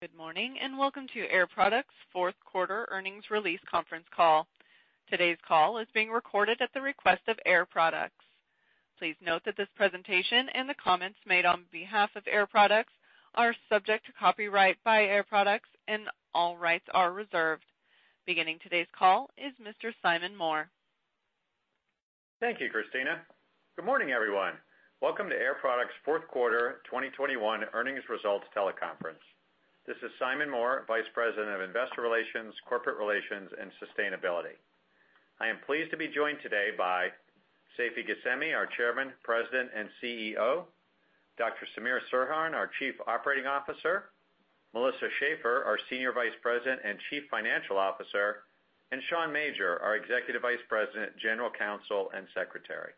Good morning, and welcome to Air Products' fourth quarter earnings release conference call. Today's call is being recorded at the request of Air Products. Please note that this presentation and the comments made on behalf of Air Products are subject to copyright by Air Products and all rights are reserved. Beginning today's call is Mr. Simon Moore. Thank you, Christina. Good morning, everyone. Welcome to Air Products' fourth quarter 2021 earnings results teleconference. This is Simon Moore, Vice President of Investor Relations, Corporate Relations, and Sustainability. I am pleased to be joined today by Seifi Ghasemi, our Chairman, President, and CEO, Dr. Samir Serhan, our Chief Operating Officer, Melissa Schaeffer, our Senior Vice President and Chief Financial Officer, and Sean Major, our Executive Vice President, General Counsel, and Secretary.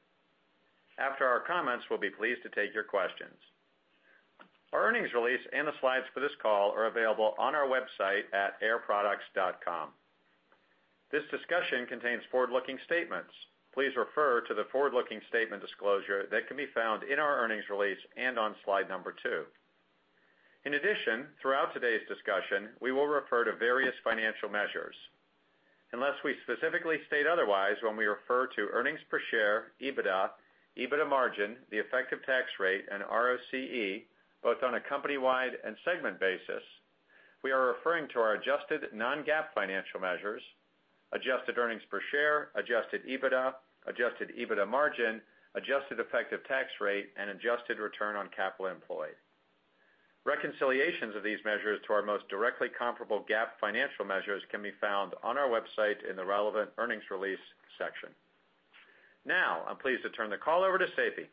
After our comments, we'll be pleased to take your questions. Our earnings release and the slides for this call are available on our website at airproducts.com. This discussion contains forward-looking statements. Please refer to the forward-looking statement disclosure that can be found in our earnings release and on slide two. In addition, throughout today's discussion, we will refer to various financial measures. Unless we specifically state otherwise, when we refer to earnings per share, EBITDA margin, the effective tax rate, and ROCE, both on a company-wide and segment basis, we are referring to our adjusted non-GAAP financial measures, adjusted earnings per share, adjusted EBITDA, adjusted EBITDA margin, adjusted effective tax rate, and adjusted return on capital employed. Reconciliations of these measures to our most directly comparable GAAP financial measures can be found on our website in the relevant earnings release section. Now, I'm pleased to turn the call over to Seifi.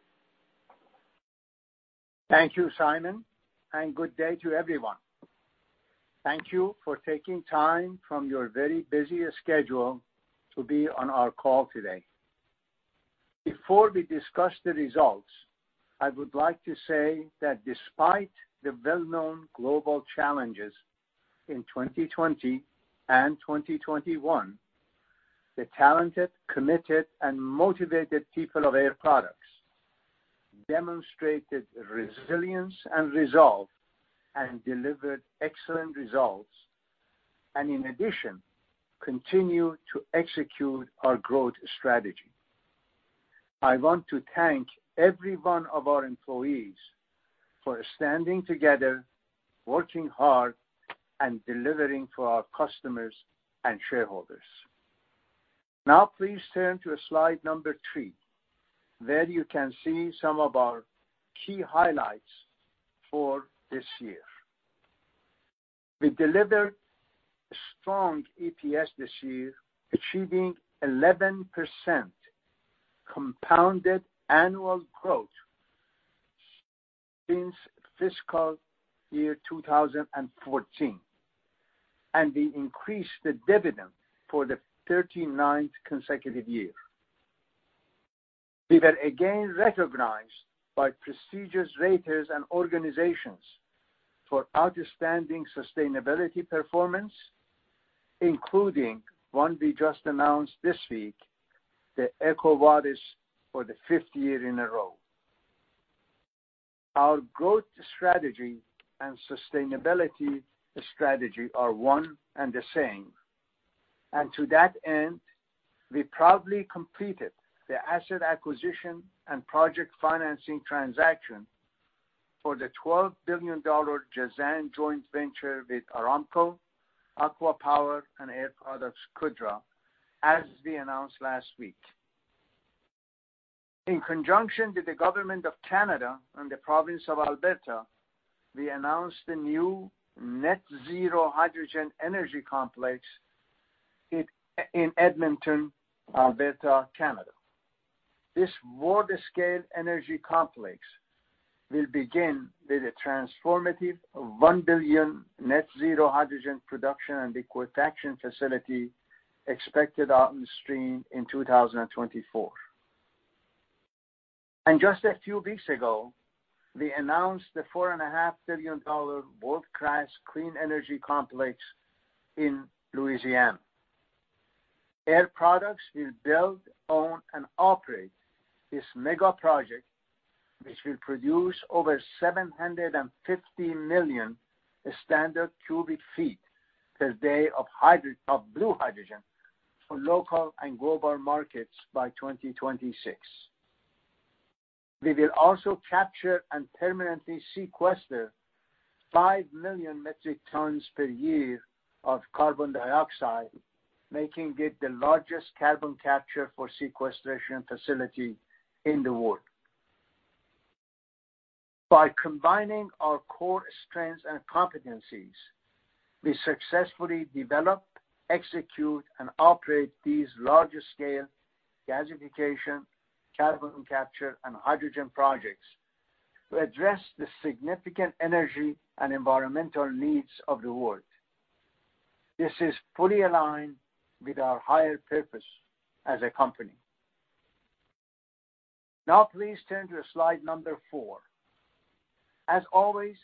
Thank you, Simon, and good day to everyone. Thank you for taking time from your very busy schedule to be on our call today. Before we discuss the results, I would like to say that despite the well-known global challenges in 2020 and 2021, the talented, committed, and motivated people of Air Products demonstrated resilience and resolve and delivered excellent results, and in addition, continue to execute our growth strategy. I want to thank every one of our employees for standing together, working hard, and delivering to our customers and shareholders. Now please turn to slide three, where you can see some of our key highlights for this year. We delivered strong EPS this year, achieving 11% compounded annual growth since fiscal year 2014, and we increased the dividend for the 39th consecutive year. We were again recognized by prestigious raters and organizations for outstanding sustainability performance, including one we just announced this week, the EcoVadis, for the th year in a row. Our growth strategy and sustainability strategy are one and the same. To that end, we proudly completed the asset acquisition and project financing transaction for the $12 billion Jazan joint venture with Aramco, ACWA Power, and Air Products Qudra, as we announced last week. In conjunction with the government of Canada and the province of Alberta, we announced a new net zero hydrogen energy complex in Edmonton, Alberta, Canada. This world-scale energy complex will begin with a transformative $1 billion net zero hydrogen production and liquefaction facility expected on stream in 2024. Just a few weeks ago, we announced the $4.5 billion world-class clean energy complex in Louisiana. Air Products will build, own, and operate this mega project, which will produce over 750 million standard cubic feet per day of blue hydrogen for local and global markets by 2026. We will also capture and permanently sequester 5 million metric tons per year of carbon dioxide, making it the largest carbon capture for sequestration facility in the world. By combining our core strengths and competencies, we successfully develop, execute, and operate these larger scale gasification, carbon capture, and hydrogen projects to address the significant energy and environmental needs of the world. This is fully aligned with our higher purpose as a company. Now please turn to slide four. As always,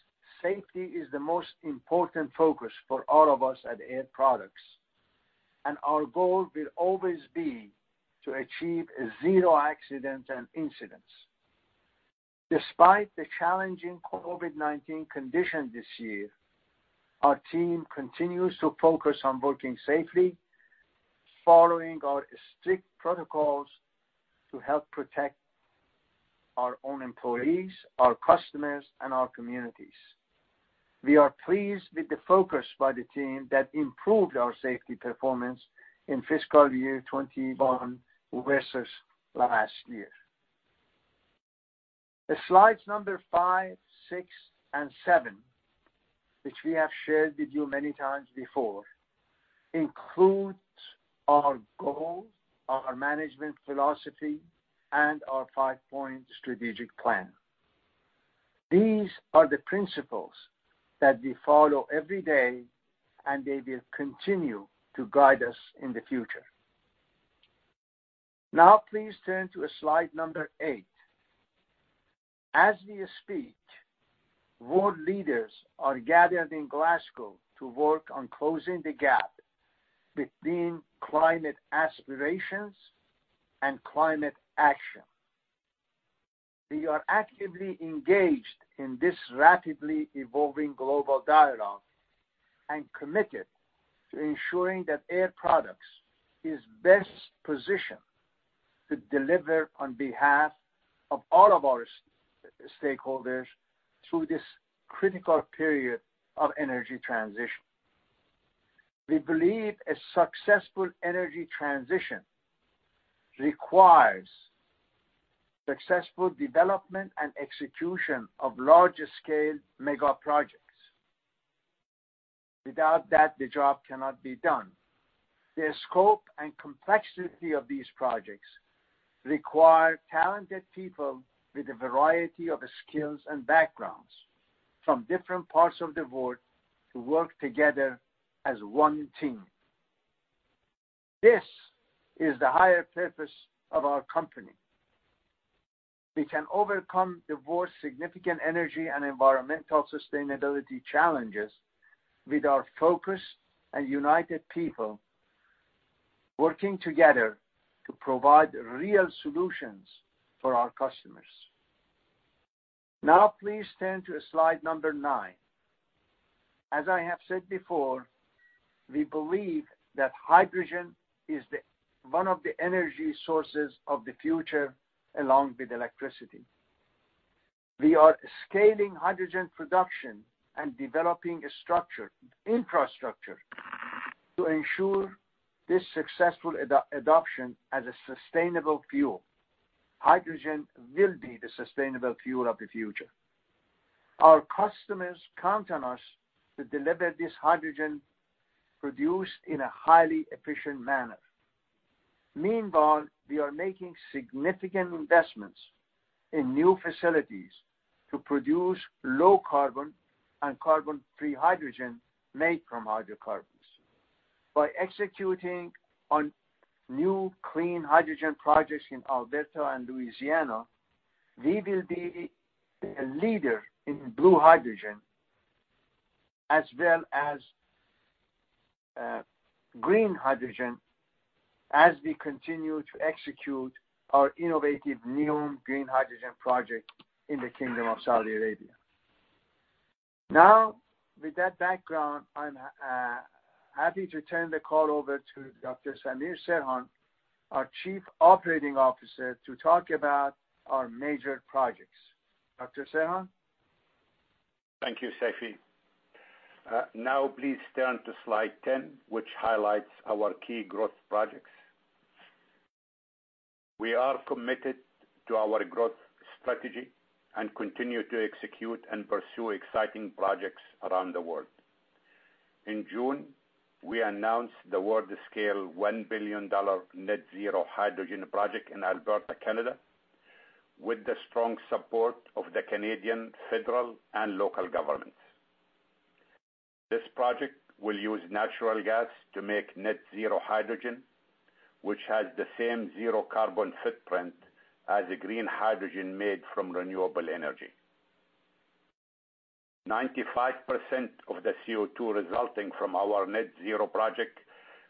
safety is the most important focus for all of us at Air Products. Our goal will always be to achieve zero accidents and incidents. Despite the challenging COVID-19 conditions this year, our team continues to focus on working safely, following our strict protocols to help protect our own employees, our customers, and our communities. We are pleased with the focus by the team that improved our safety performance in fiscal year 2021 versus last year. The slides number five, six and seven, which we have shared with you many times before, include our goals, our management philosophy, and our five-point strategic plan. These are the principles that we follow every day, and they will continue to guide us in the future. Now please turn to slide number eight. As we speak, world leaders are gathered in Glasgow to work on closing the gap between climate aspirations and climate action. We are actively engaged in this rapidly evolving global dialogue and committed to ensuring that Air Products is best positioned to deliver on behalf of all of our stakeholders through this critical period of energy transition. We believe a successful energy transition requires successful development and execution of large-scale mega projects. Without that, the job cannot be done. The scope and complexity of these projects require talented people with a variety of skills and backgrounds from different parts of the world to work together as one team. This is the higher purpose of our company. We can overcome the world's significant energy and environmental sustainability challenges with our focused and united people working together to provide real solutions for our customers. Now please turn to slide number nine. As I have said before, we believe that hydrogen is the, one of the energy sources of the future, along with electricity. We are scaling hydrogen production and developing a structure, infrastructure to ensure this successful adoption as a sustainable fuel. Hydrogen will be the sustainable fuel of the future. Our customers count on us to deliver this hydrogen produced in a highly efficient manner. Meanwhile, we are making significant investments in new facilities to produce low carbon and carbon-free hydrogen made from hydrocarbons. By executing on new clean hydrogen projects in Alberta and Louisiana, we will be a leader in blue hydrogen as well as green hydrogen as we continue to execute our innovative NEOM Green Hydrogen project in the Kingdom of Saudi Arabia. Now, with that background, I'm happy to turn the call over to Dr. Samir Serhan, our Chief Operating Officer, to talk about our major projects. Dr. Serhan? Thank you, Seifi. Now please turn to slide 10, which highlights our key growth projects. We are committed to our growth strategy and continue to execute and pursue exciting projects around the world. In June, we announced the world-scale CAD 1 billion net zero hydrogen project in Alberta, Canada, with the strong support of the Canadian federal and local governments. This project will use natural gas to make net zero hydrogen, which has the same zero carbon footprint as the green hydrogen made from renewable energy. 95% of the CO2 resulting from our net zero project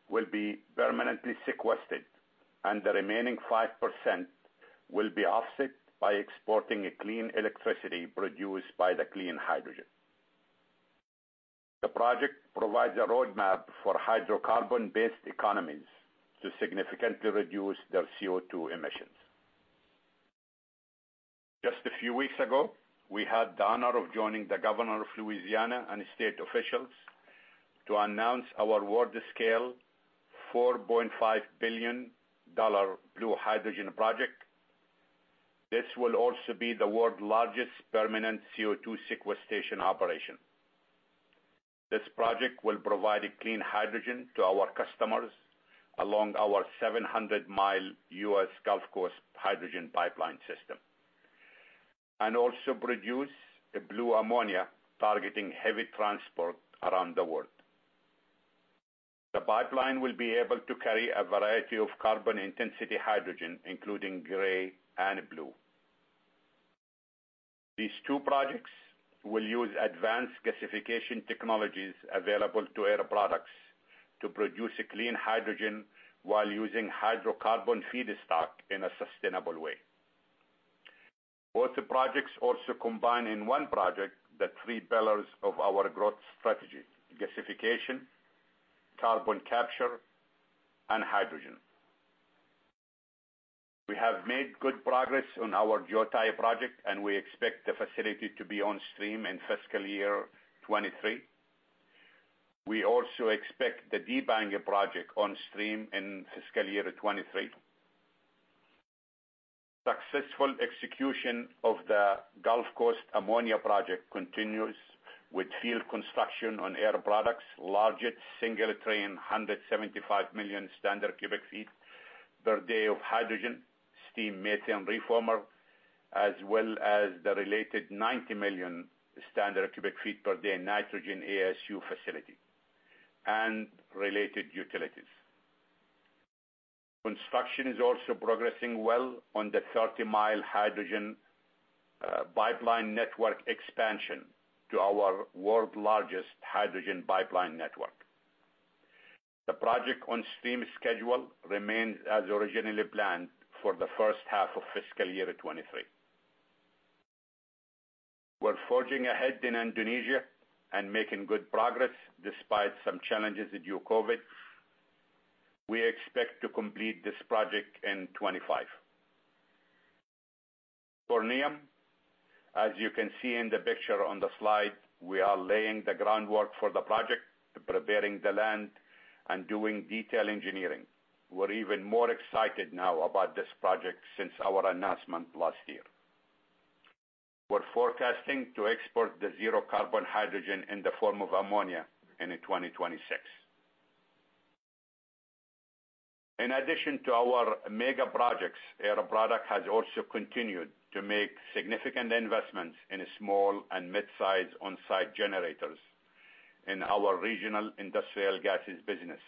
will be permanently sequestered, and the remaining 5% will be offset by exporting clean electricity produced by the clean hydrogen. The project provides a roadmap for hydrocarbon-based economies to significantly reduce their CO2 emissions. Just a few weeks ago, we had the honor of joining the governor of Louisiana and state officials to announce our world-scale $4.5 billion blue hydrogen project. This will also be the world's largest permanent CO2 sequestration operation. This project will provide clean hydrogen to our customers along our 700-mile U.S. Gulf Coast hydrogen pipeline system, and also produce blue ammonia targeting heavy transport around the world. The pipeline will be able to carry a variety of carbon intensity hydrogen, including gray and blue. These two projects will use advanced gasification technologies available to Air Products to produce a clean hydrogen while using hydrocarbon feedstock in a sustainable way. Both the projects also combine in one project the three pillars of our growth strategy, gasification, carbon capture, and hydrogen. We have made good progress on our Jiutai project, and we expect the facility to be on stream in FY 2023. We also expect the Debang project on stream in FY 2023. Successful execution of the Gulf Coast ammonia project continues with field construction on Air Products' largest single train 175 million standard cubic feet per day of hydrogen steam methane reformer, as well as the related 90 million standard cubic feet per day nitrogen ASU facility and related utilities. Construction is also progressing well on the 30-mile hydrogen pipeline network expansion to our world's largest hydrogen pipeline network. The project on stream schedule remains as originally planned for the first half of FY 2023. We're forging ahead in Indonesia and making good progress despite some challenges due to COVID. We expect to complete this project in 2025. For NEOM, as you can see in the picture on the slide, we are laying the groundwork for the project, preparing the land and doing detailed engineering. We're even more excited now about this project since our announcement last year. We're forecasting to export the zero-carbon hydrogen in the form of ammonia in 2026. In addition to our mega projects, Air Products has also continued to make significant investments in small- and mid-size on-site generators in our regional industrial gases business,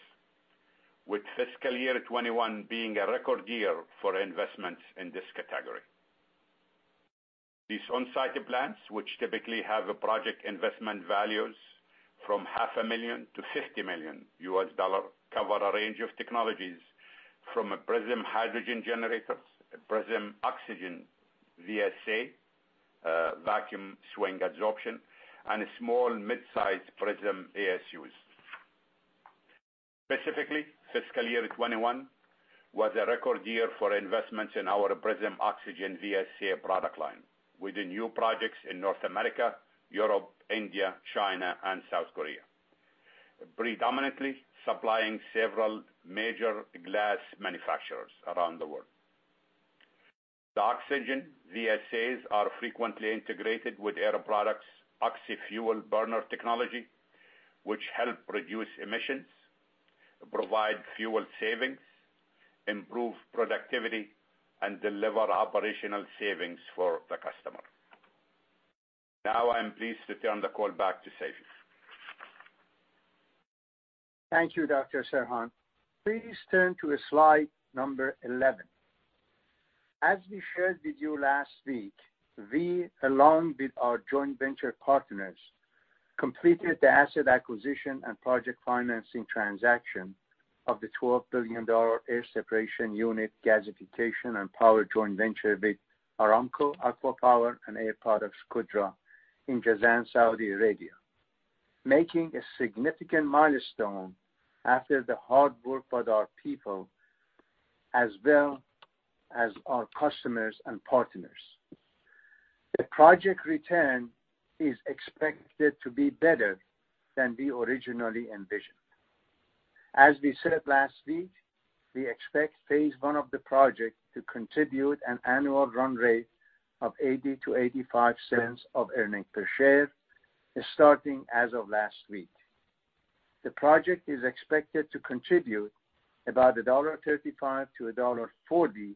with fiscal year 2021 being a record year for investments in this category. These on-site plants, which typically have project investment values from $500,000-$50 million, cover a range of technologies from PRISM hydrogen generators, PRISM Oxygen VSA, vacuum swing adsorption, and small- and mid-size PRISM ASUs. Specifically, fiscal year 2021 was a record year for investments in our PRISM Oxygen VSA product line with the new projects in North America, Europe, India, China, and South Korea, predominantly supplying several major glass manufacturers around the world. The PRISM Oxygen VSAs are frequently integrated with Air Products oxy-fuel burner technology, which help reduce emissions, provide fuel savings, improve productivity, and deliver operational savings for the customer. Now I am pleased to turn the call back to Seifi. Thank you, Dr. Serhan. Please turn to slide 11. As we shared with you last week, we, along with our joint venture partners, completed the asset acquisition and project financing transaction of the $12 billion air separation unit, gasification and power joint venture with Aramco, ACWA Power, and Air Products Qudra in Jazan, Saudi Arabia, making a significant milestone after the hard work with our people as well as our customers and partners. The project return is expected to be better than we originally envisioned. As we said last week, we expect phase one of the project to contribute an annual run rate of $0.80-$0.85 of earnings per share, starting as of last week. The project is expected to contribute about $1.35-$1.40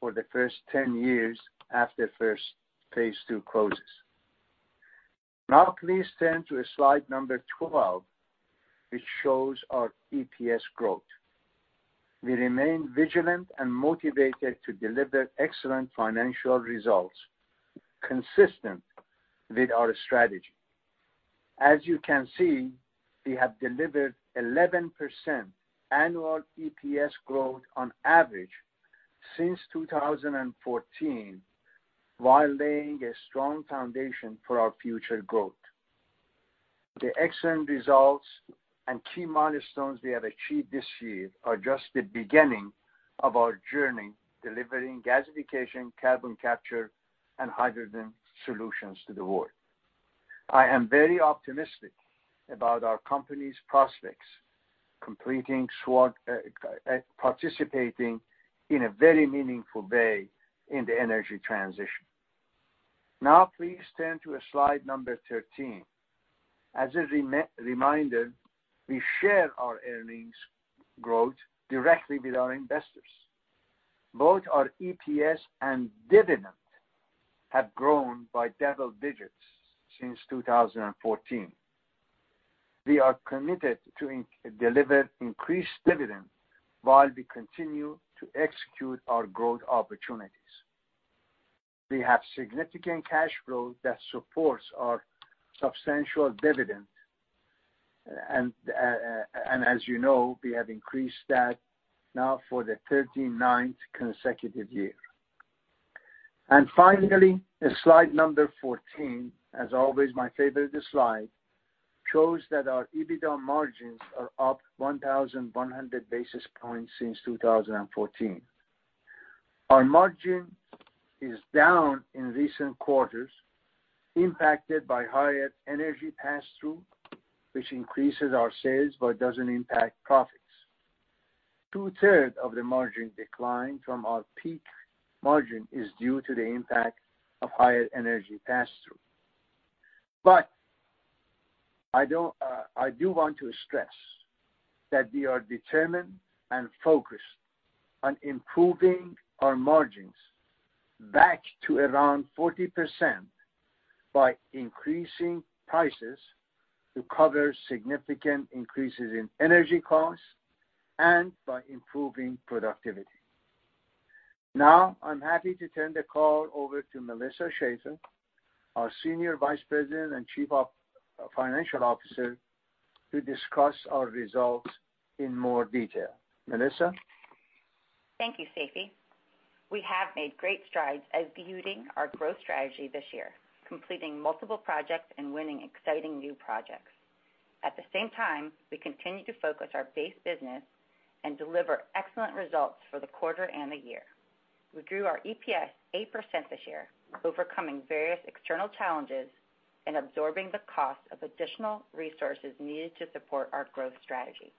for the first 10 years after first phase II closes. Now, please turn to slide 12, which shows our EPS growth. We remain vigilant and motivated to deliver excellent financial results consistent with our strategy. As you can see, we have delivered 11% annual EPS growth on average since 2014, while laying a strong foundation for our future growth. The excellent results and key milestones we have achieved this year are just the beginning of our journey delivering gasification, carbon capture, and hydrogen solutions to the world. I am very optimistic about our company's prospects, participating in a very meaningful way in the energy transition. Now please turn to slide 13. As a reminder, we share our earnings growth directly with our investors. Both our EPS and dividend have grown by double digits since 2014. We are committed to deliver increased dividend while we continue to execute our growth opportunities. We have significant cash flow that supports our substantial dividend. As you know, we have increased that now for the 39th consecutive year. Finally, in slide 14, as always my favorite slide, shows that our EBITDA margins are up 1,100 basis points since 2014. Our margin is down in recent quarters, impacted by higher energy passthrough, which increases our sales, but doesn't impact profits. 2/3 of the margin decline from our peak margin is due to the impact of higher energy passthrough. I don't... I do want to stress that we are determined and focused on improving our margins back to around 40% by increasing prices to cover significant increases in energy costs and by improving productivity. Now, I'm happy to turn the call over to Melissa Schaeffer, our Senior Vice President and Chief Financial Officer, to discuss our results in more detail. Melissa? Thank you, Seifi. We have made great strides executing our growth strategy this year, completing multiple projects and winning exciting new projects. At the same time, we continue to focus our base business and deliver excellent results for the quarter and the year. We grew our EPS 8% this year, overcoming various external challenges and absorbing the cost of additional resources needed to support our growth strategy.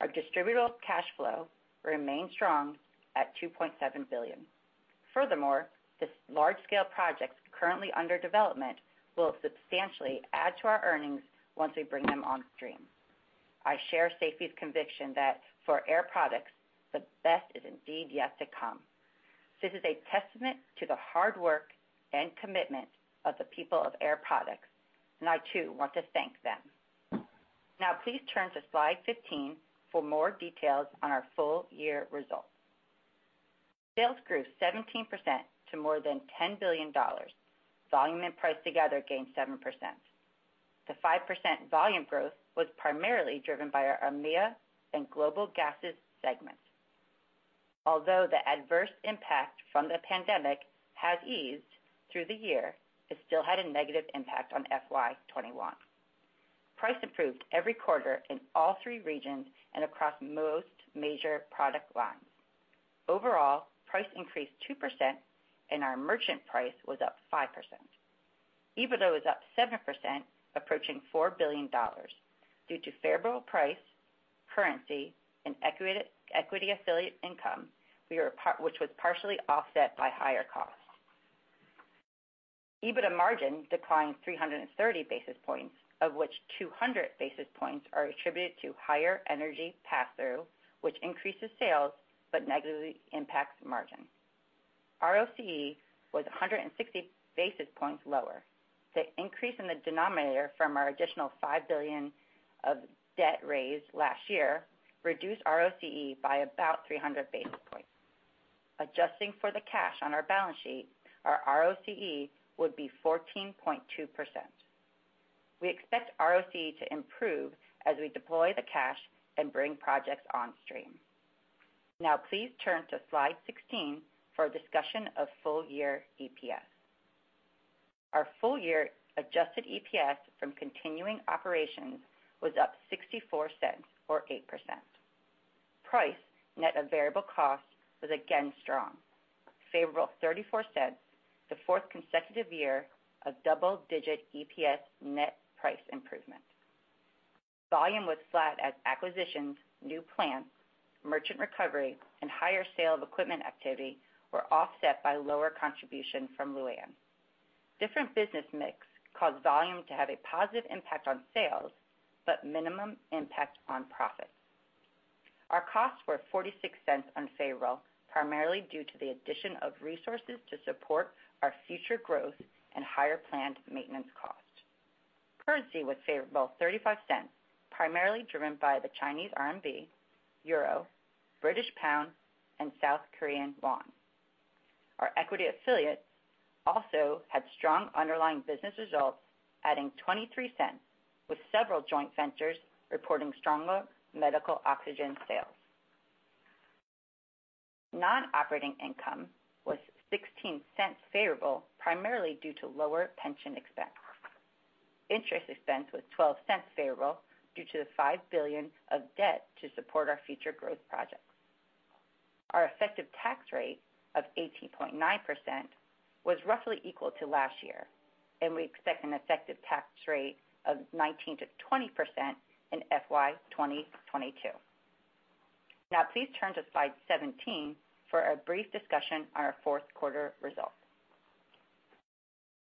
Our distributable cash flow remained strong at $2.7 billion. Furthermore, the large scale projects currently under development will substantially add to our earnings once we bring them on stream. I share Seifi's conviction that for Air Products, the best is indeed yet to come. This is a testament to the hard work and commitment of the people of Air Products, and I too want to thank them. Now please turn to slide 15 for more details on our full year results. Sales grew 17% to more than $10 billion. Volume and price together gained 7%. The 5% volume growth was primarily driven by our EMEA and Global Gases segments. Although the adverse impact from the pandemic has eased through the year, it still had a negative impact on FY 2021. Price improved every quarter in all three regions and across most major product lines. Overall, price increased 2%, and our merchant price was up 5%. EBITDA was up 7%, approaching $4 billion due to favorable price, currency, and equity affiliate income, which was partially offset by higher costs. EBITDA margin declined 330 basis points, of which 200 basis points are attributed to higher energy passthrough, which increases sales but negatively impacts margin. ROCE was 160 basis points lower. The increase in the denominator from our additional $5 billion of debt raised last year reduced ROCE by about 300 basis points. Adjusting for the cash on our balance sheet, our ROCE would be 14.2%. We expect ROCE to improve as we deploy the cash and bring projects on stream. Now please turn to slide 16 for a discussion of full year EPS. Our full year adjusted EPS from continuing operations was up $0.64 or 8%. Price net of variable costs was again strong, favorable $0.34, the fourth consecutive year of double-digit EPS net price improvement. Volume was flat as acquisitions, new plants, merchant recovery, and higher sale of equipment activity were offset by lower contribution from Lu'An. Different business mix caused volume to have a positive impact on sales but minimum impact on profits. Our costs were $0.46 unfavorable, primarily due to the addition of resources to support our future growth and higher planned maintenance cost. Currency was favorable $0.35, primarily driven by the Chinese RMB, Euro, British Pound, and South Korean won. Our equity affiliates also had strong underlying business results, adding $0.23, with several joint ventures reporting stronger medical oxygen sales. Non-operating income was $0.16 favorable, primarily due to lower pension expense. Interest expense was $0.12 favorable due to the $5 billion of debt to support our future growth projects. Our effective tax rate of 18.9% was roughly equal to last year, and we expect an effective tax rate of 19%-20% in FY 2022. Now please turn to slide 17 for a brief discussion on our fourth quarter results.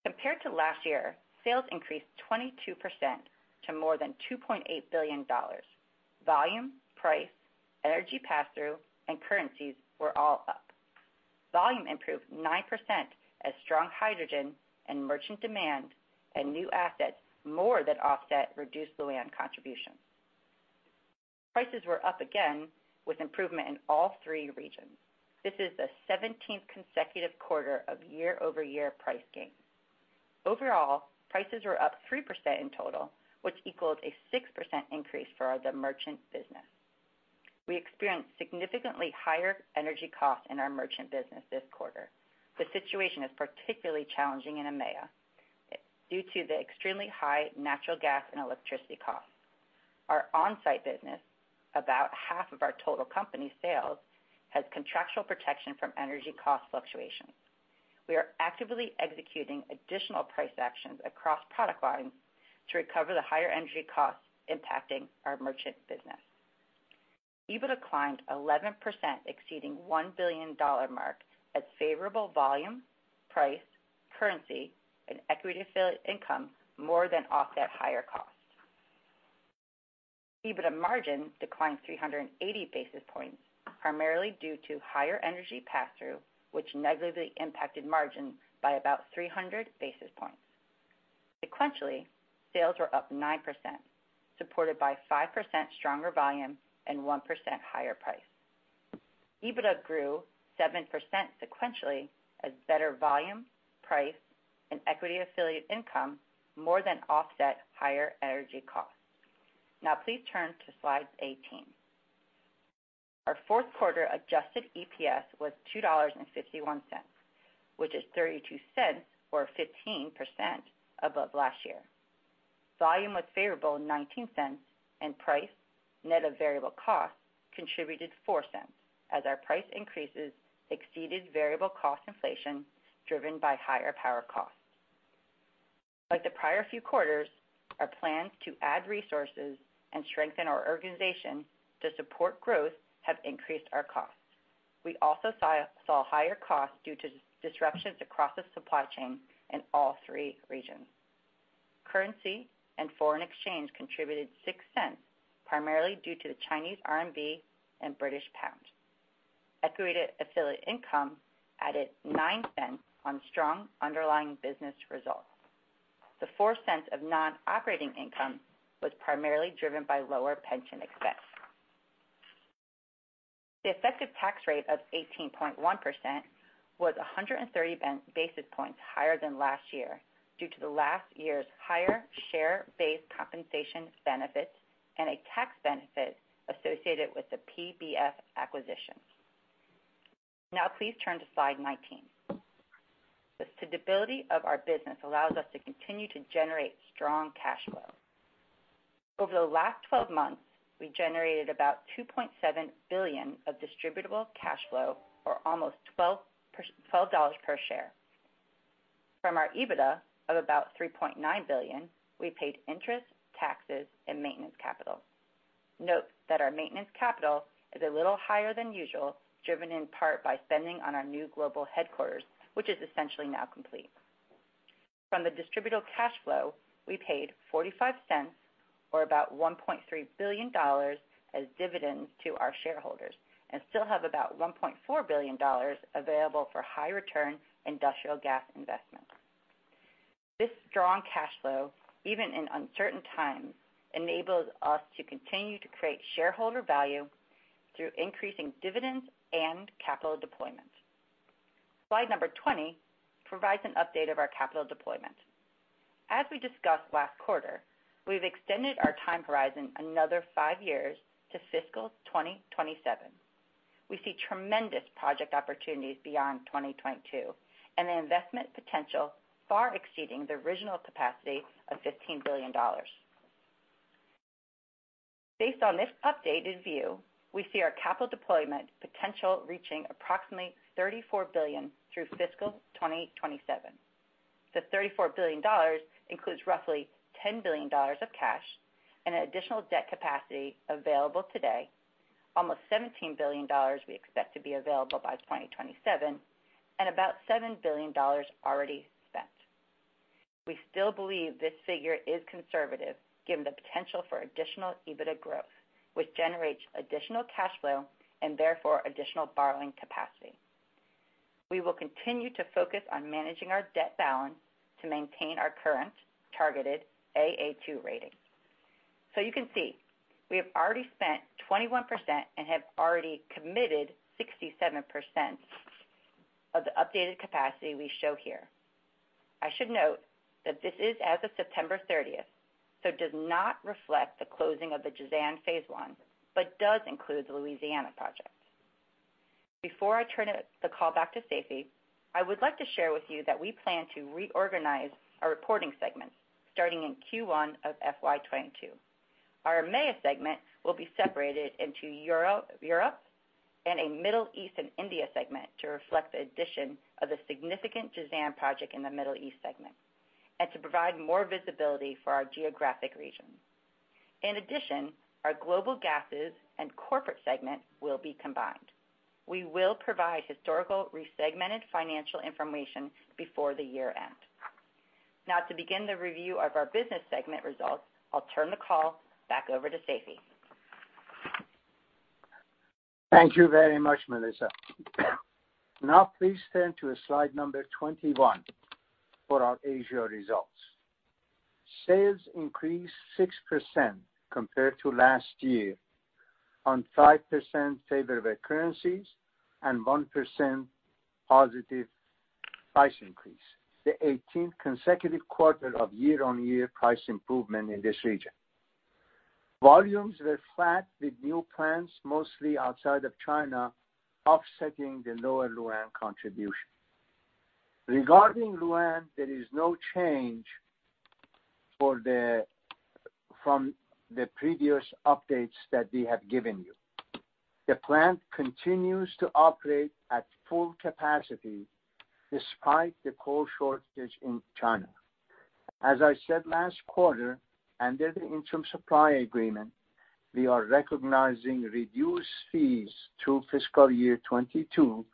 Compared to last year, sales increased 22% to more than $2.8 billion. Volume, price, energy pass-through, and currencies were all up. Volume improved 9% as strong hydrogen and merchant demand and new assets more than offset reduced Lu'An contribution. Prices were up again with improvement in all three regions. This is the 17th consecutive quarter of year-over-year price gains. Overall, prices were up 3% in total, which equals a 6% increase for the merchant business. We experienced significantly higher energy costs in our merchant business this quarter. The situation is particularly challenging in EMEA due to the extremely high natural gas and electricity costs. Our on-site business, about half of our total company sales, has contractual protection from energy cost fluctuations. We are actively executing additional price actions across product lines to recover the higher energy costs impacting our merchant business. EBITDA declined 11%, exceeding $1 billion mark as favorable volume, price, currency, and equity affiliate income more than offset higher costs. EBITDA margin declined 380 basis points, primarily due to higher energy passthrough, which negatively impacted margin by about 300 basis points. Sequentially, sales were up 9%, supported by 5% stronger volume and 1% higher price. EBITDA grew 7% sequentially as better volume, price, and equity affiliate income more than offset higher energy costs. Now please turn to slide 18. Our fourth quarter adjusted EPS was $2.51, which is $0.32 or 15% above last year. Volume was favorable $0.19 and price, net of variable costs, contributed $0.04 as our price increases exceeded variable cost inflation driven by higher power costs. Like the prior few quarters, our plans to add resources and strengthen our organization to support growth have increased our costs. We also saw higher costs due to disruptions across the supply chain in all three regions. Currency and foreign exchange contributed $0.06, primarily due to the Chinese RMB and British pound. Equity affiliate income added $0.09 on strong underlying business results. The $0.04 of non-operating income was primarily driven by lower pension expense. The effective tax rate of 18.1% was 130 basis points higher than last year due to last year's higher share-based compensation benefits and a tax benefit associated with the PBF acquisition. Now please turn to slide 19. The stability of our business allows us to continue to generate strong cash flow. Over the last 12 months, we generated about $2.7 billion of distributable cash flow or almost $12 per share. From our EBITDA of about $3.9 billion, we paid interest, taxes, and maintenance capital. Note that our maintenance capital is a little higher than usual, driven in part by spending on our new global headquarters, which is essentially now complete. From the distributable cash flow, we paid $0.45 or about $1.3 billion as dividends to our shareholders and still have about $1.4 billion available for high return industrial gas investment. This strong cash flow, even in uncertain times, enables us to continue to create shareholder value through increasing dividends and capital deployment. Slide 20 provides an update of our capital deployment. As we discussed last quarter, we've extended our time horizon another five years to fiscal 2027. We see tremendous project opportunities beyond 2022 and an investment potential far exceeding the original capacity of $15 billion. Based on this updated view, we see our capital deployment potential reaching approximately $34 billion through fiscal 2027. The $34 billion includes roughly $10 billion of cash and additional debt capacity available today, almost $17 billion we expect to be available by 2027, and about $7 billion already spent. We still believe this figure is conservative given the potential for additional EBITDA growth, which generates additional cash flow and therefore additional borrowing capacity. We will continue to focus on managing our debt balance to maintain our current targeted A/A2 rating. You can see we have already spent 21% and have already committed 67% of the updated capacity we show here. I should note that this is as of September 30th, so it does not reflect the closing of the Jazan phase I, but does include the Louisiana project. Before I turn the call back to Seifi, I would like to share with you that we plan to reorganize our reporting segments starting in Q1 of FY 2022. Our EMEA segment will be separated into Europe and a Middle East and India segment to reflect the addition of the significant Jazan project in the Middle East segment and to provide more visibility for our geographic region. In addition, our Global Gases and Corporate segment will be combined. We will provide historical re-segmented financial information before the year-end. Now, to begin the review of our business segment results, I'll turn the call back over to Seifi. Thank you very much, Melissa. Now please turn to slide 21 for our Asia results. Sales increased 6% compared to last year on 5% favorable currencies and 1% positive price increase. The 18th consecutive quarter of year-on-year price improvement in this region. Volumes were flat, with new plants mostly outside of China offsetting the lower Lu'An contribution. Regarding Lu'An, there is no change from the previous updates that we have given you. The plant continues to operate at full capacity despite the coal shortage in China. As I said last quarter, under the interim supply agreement, we are recognizing reduced fees through fiscal year 2022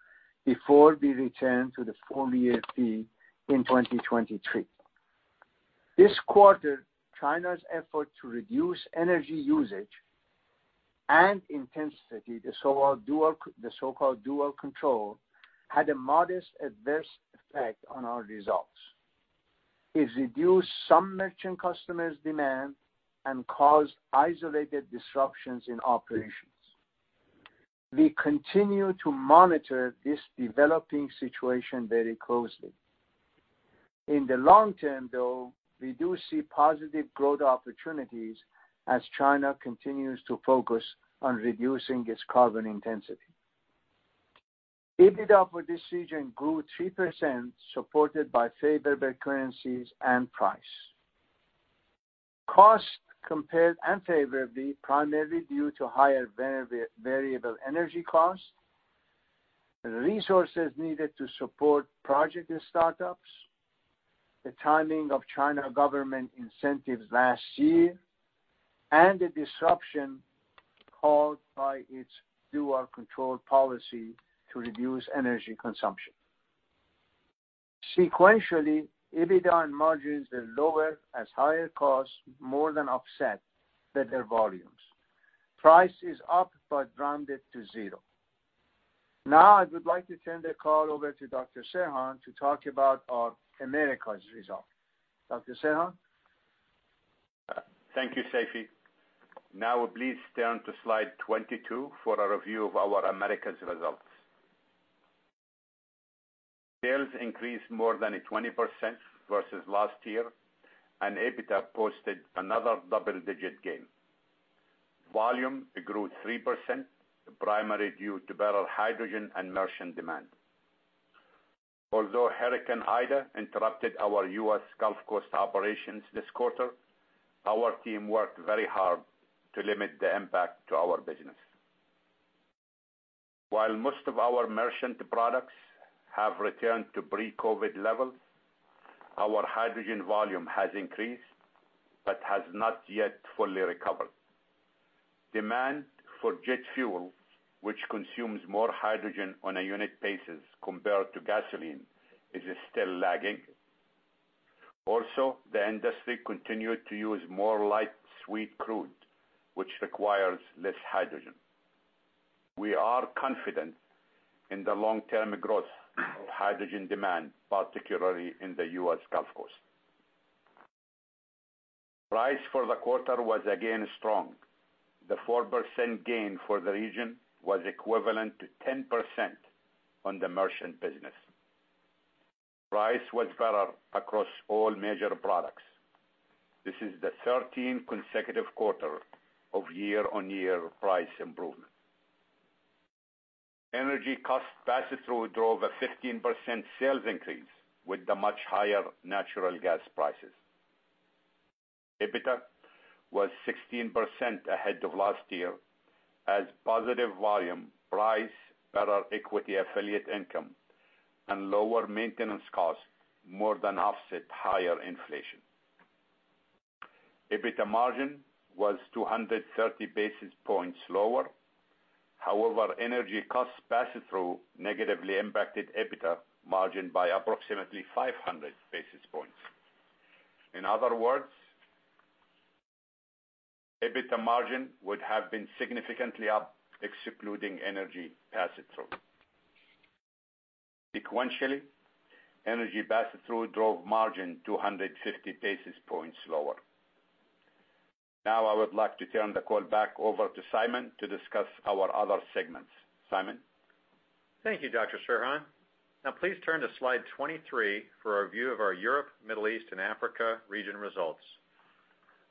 before we return to the full year fee in 2023. This quarter, China's effort to reduce energy usage and intensity, the so-called dual control, had a modest adverse effect on our results. It reduced some merchant customers' demand and caused isolated disruptions in operations. We continue to monitor this developing situation very closely. In the long-term, though, we do see positive growth opportunities as China continues to focus on reducing its carbon intensity. EBITDA for this region grew 3%, supported by favorable currencies and price. Cost compared unfavorably, primarily due to higher variable energy costs, the resources needed to support project start-ups, the timing of China government incentives last year, and the disruption caused by its dual control policy to reduce energy consumption. Sequentially, EBITDA and margins were lower as higher costs more than offset better volumes. Price is up, but rounded to zero. Now I would like to turn the call over to Dr. Serhan to talk about our Americas results. Dr. Serhan? Thank you, Seifi. Now please turn to slide 22 for a review of our Americas results. Sales increased more than 20% versus last year, and EBITDA posted another double-digit gain. Volume grew 3%, primarily due to better hydrogen and merchant demand. Although Hurricane Ida interrupted our U.S. Gulf Coast operations this quarter, our team worked very hard to limit the impact to our business. While most of our merchant products have returned to pre-COVID levels, our hydrogen volume has increased but has not yet fully recovered. Demand for jet fuel, which consumes more hydrogen on a unit basis compared to gasoline, is still lagging. Also, the industry continued to use more light sweet crude, which requires less hydrogen. We are confident in the long-term growth of hydrogen demand, particularly in the U.S. Gulf Coast. Price for the quarter was again strong. The 4% gain for the region was equivalent to 10% on the merchant business. Price was better across all major products. This is the 13th consecutive quarter of year-on-year price improvement. Energy cost pass-through drove a 15% sales increase with the much higher natural gas prices. EBITDA was 16% ahead of last year as positive volume, price, better equity affiliate income, and lower maintenance costs more than offset higher inflation. EBITDA margin was 230 basis points lower. However, energy costs pass-through negatively impacted EBITDA margin by approximately 500 basis points. In other words, EBITDA margin would have been significantly up excluding energy pass-through. Sequentially, energy pass-through drove margin 250 basis points lower. Now I would like to turn the call back over to Simon to discuss our other segments. Simon? Thank you, Dr. Serhan. Now please turn to slide 23 for a view of our Europe, Middle East, and Africa region results.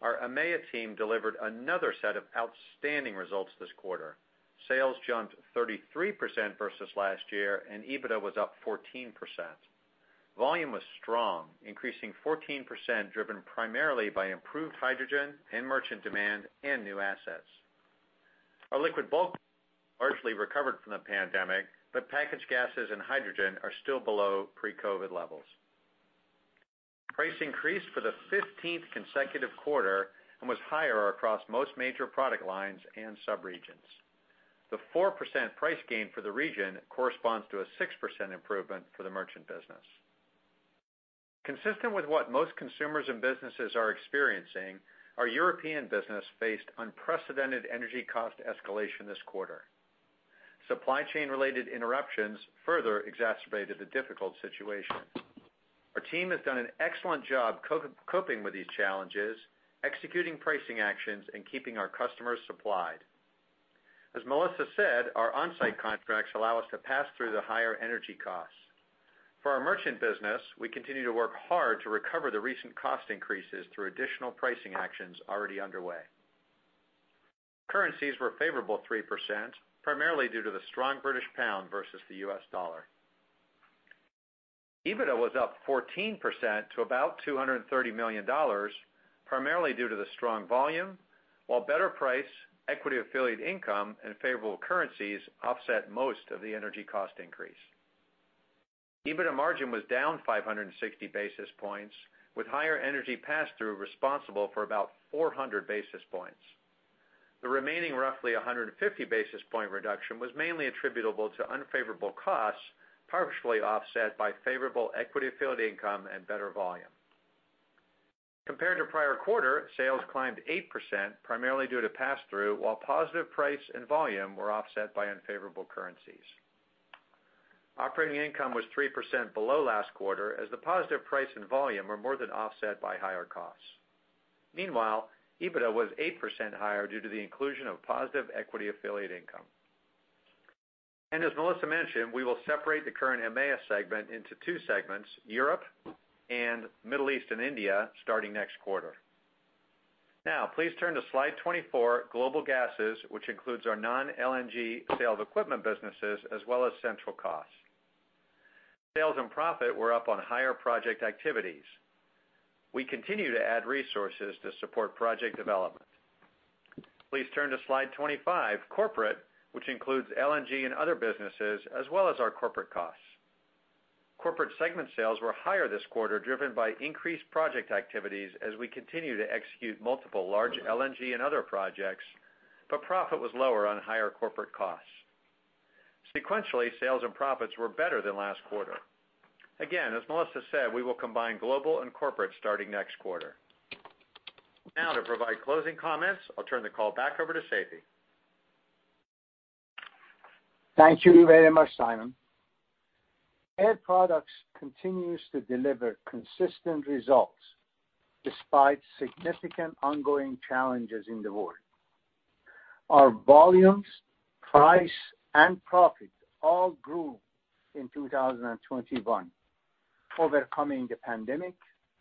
Our EMEA team delivered another set of outstanding results this quarter. Sales jumped 33% versus last year, and EBITDA was up 14%. Volume was strong, increasing 14%, driven primarily by improved hydrogen and merchant demand and new assets. Our liquid bulk largely recovered from the pandemic, but packaged gases and hydrogen are still below pre-COVID levels. Price increased for the 15th consecutive quarter and was higher across most major product lines and subregions. The 4% price gain for the region corresponds to a 6% improvement for the merchant business. Consistent with what most consumers and businesses are experiencing, our European business faced unprecedented energy cost escalation this quarter. Supply chain-related interruptions further exacerbated the difficult situation. Our team has done an excellent job coping with these challenges, executing pricing actions, and keeping our customers supplied. As Melissa said, our on-site contracts allow us to pass through the higher energy costs. For our merchant business, we continue to work hard to recover the recent cost increases through additional pricing actions already underway. Currencies were favorable 3%, primarily due to the strong British pound versus the U.S. dollar. EBITDA was up 14% to about $230 million, primarily due to the strong volume, while better price, equity affiliate income, and favorable currencies offset most of the energy cost increase. EBITDA margin was down 560 basis points, with higher energy pass-through responsible for about 400 basis points. The remaining roughly 150 basis points reduction was mainly attributable to unfavorable costs, partially offset by favorable equity affiliate income and better volume. Compared to prior quarter, sales climbed 8%, primarily due to pass-through, while positive price and volume were offset by unfavorable currencies. Operating income was 3% below last quarter as the positive price and volume were more than offset by higher costs. Meanwhile, EBITDA was 8% higher due to the inclusion of positive equity affiliate income. As Melissa mentioned, we will separate the current EMEA segment into two segments, Europe and Middle East and India, starting next quarter. Now, please turn to slide 24, Global Gases, which includes our non-LNG sales equipment businesses as well as central costs. Sales and profit were up on higher project activities. We continue to add resources to support project development. Please turn to slide 25, Corporate, which includes LNG and other businesses, as well as our corporate costs. Corporate segment sales were higher this quarter, driven by increased project activities as we continue to execute multiple large LNG and other projects, but profit was lower on higher corporate costs. Sequentially, sales and profits were better than last quarter. Again, as Melissa said, we will combine Global and Corporate starting next quarter. Now, to provide closing comments, I'll turn the call back over to Seifi. Thank you very much, Simon. Air Products continues to deliver consistent results despite significant ongoing challenges in the world. Our volumes, price, and profit all grew in 2021, overcoming the pandemic,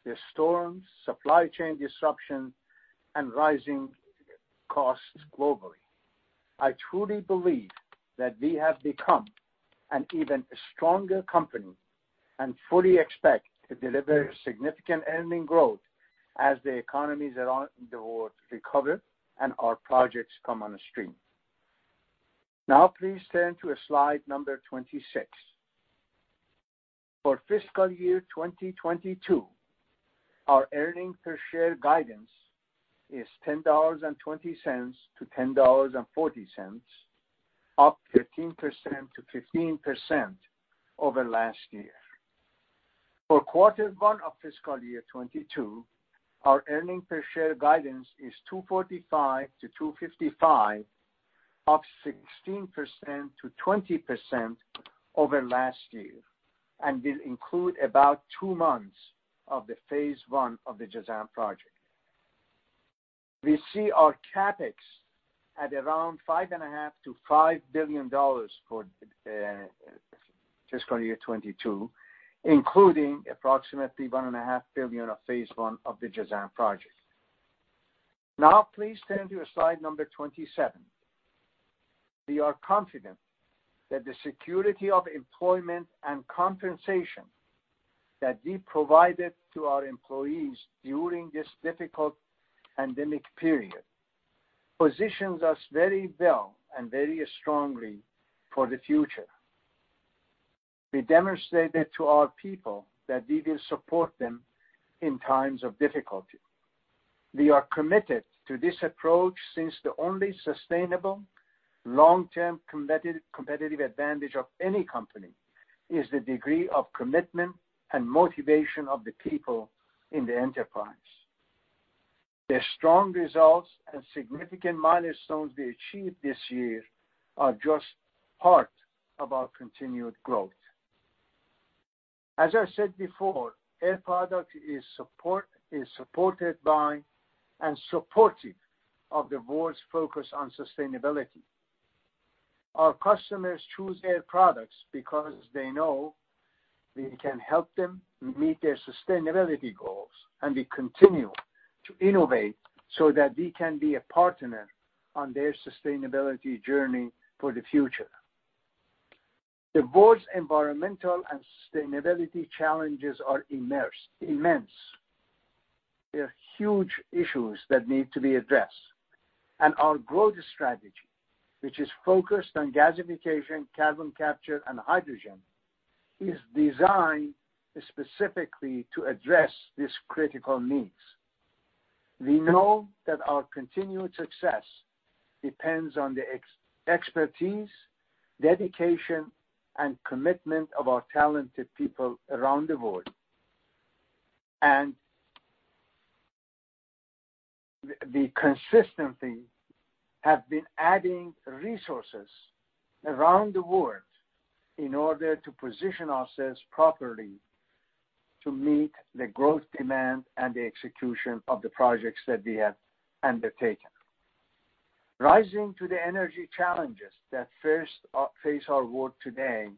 the storms, supply chain disruption, and rising costs globally. I truly believe that we have become an even stronger company and fully expect to deliver significant earnings growth as the economies around the world recover and our projects come on stream. Now please turn to slide 26. For fiscal year 2022, our earnings per share guidance is $10.20-$10.40, up 13%-15% over last year. For Q1 of fiscal year 2022, our earnings per share guidance is $2.45-$2.55, up 16%-20% over last year, and will include about two months of phase I of the Jazan project. We see our CapEx at around $5.5 billion-$5 billion for fiscal year 2022, including approximately $1.5 billion of phase I of the Jazan project. Now please turn to slide 27. We are confident that the security of employment and compensation that we provided to our employees during this difficult pandemic period positions us very well and very strongly for the future. We demonstrated to our people that we will support them in times of difficulty. We are committed to this approach since the only sustainable long-term competitive advantage of any company is the degree of commitment and motivation of the people in the enterprise. The strong results and significant milestones we achieved this year are just part of our continued growth. As I said before, Air Products is supported by and supportive of the world's focus on sustainability. Our customers choose Air Products because they know we can help them meet their sustainability goals, and we continue to innovate so that we can be a partner on their sustainability journey for the future. The world's environmental and sustainability challenges are immense. They're huge issues that need to be addressed. Our growth strategy, which is focused on gasification, carbon capture, and hydrogen, is designed specifically to address these critical needs. We know that our continued success depends on the expertise, dedication, and commitment of our talented people around the world. We consistently have been adding resources around the world in order to position ourselves properly to meet the growing demand and the execution of the projects that we have undertaken. Rising to the energy challenges that face our world today,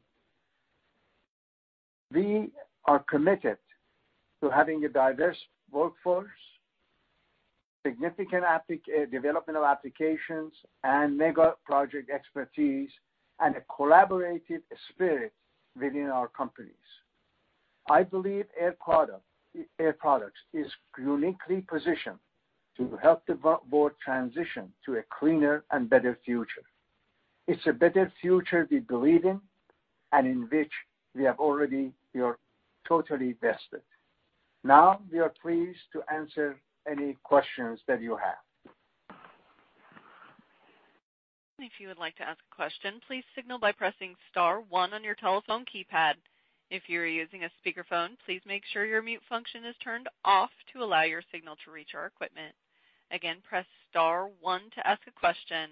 we are committed to having a diverse workforce, significant development of applications, and mega-project expertise, and a collaborative spirit within our companies. I believe Air Products is uniquely positioned to help the world transition to a cleaner and better future. It's a better future we believe in and in which we are totally invested. Now, we are pleased to answer any questions that you have. If you would like to ask a question please signal by pressing star-one on your telephone key pad. If you are using a speaker phone, please make sure your mute function is turned off to allow your signal to reach our equipment. Again press star-one to ask a qestion.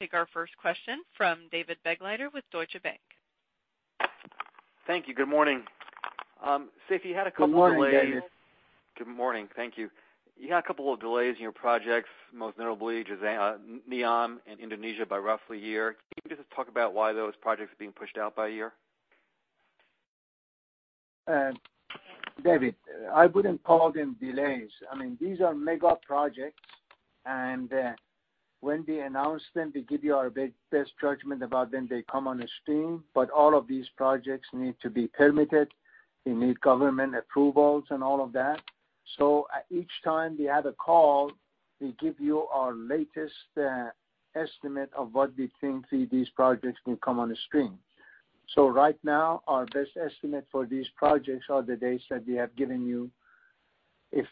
Take our first question from David Begleiter with Deutsche Bank. Thank you. Good morning. Good morning, David. Good morning. Thank you. You had a couple of delays in your projects, most notably NEOM in Indonesia by roughly a year. Can you just talk about why those projects are being pushed out by a year? David, I wouldn't call them delays. I mean, these are mega projects, and when we announce them, we give you our best judgment about when they come on the stream. All of these projects need to be permitted. We need government approvals and all of that. Each time we have a call, we give you our latest estimate of what we think these projects will come on the stream. Right now, our best estimate for these projects are the dates that we have given you. If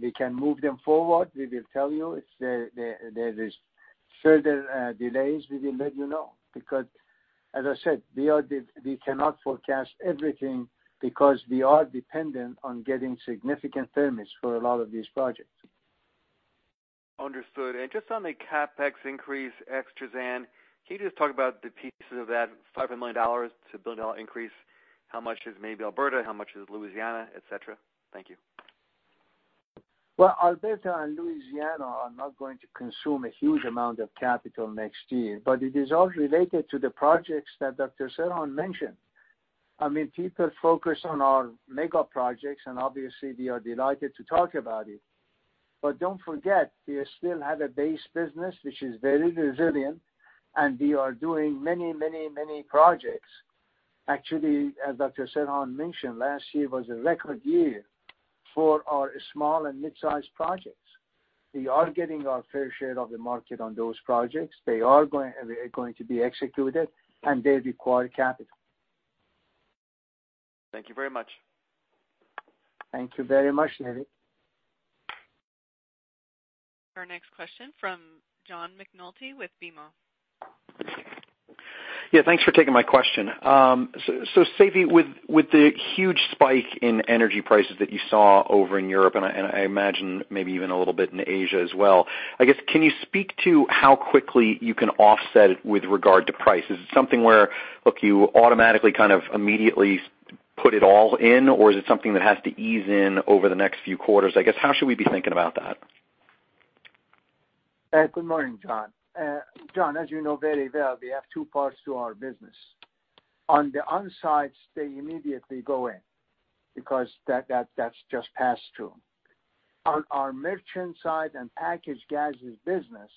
we can move them forward, we will tell you. If there is further delays, we will let you know because, as I said, we cannot forecast everything because we are dependent on getting significant permits for a lot of these projects. Understood. Just on the CapEx increase ex-Jazan, can you just talk about the pieces of that $500 million-$1 billion increase? How much is maybe Alberta? How much is Louisiana, etc.? Thank you. Well, Alberta and Louisiana are not going to consume a huge amount of capital next year, but it is all related to the projects that Dr. Serhan mentioned. I mean, people focus on our mega projects, and obviously we are delighted to talk about it. But don't forget, we still have a base business which is very resilient, and we are doing many, many, many projects. Actually, as Dr. Serhan mentioned, last year was a record year for our small and mid-sized projects. We are getting our fair share of the market on those projects. They are going to be executed, and they require capital. Thank you very much. Thank you very much, David. Our next question from John McNulty with BMO. Yeah, thanks for taking my question. So, Seifi, with the huge spike in energy prices that you saw over in Europe, and I imagine maybe even a little bit in Asia as well, I guess, can you speak to how quickly you can offset with regard to price? Is it something where, look, you automatically kind of immediately put it all in, or is it something that has to ease in over the next few quarters? I guess, how should we be thinking about that? Good morning, John. John, as you know very well, we have two parts to our business. On the on-sites, they immediately go in because that's just passed through. On our merchant side and packaged gases business,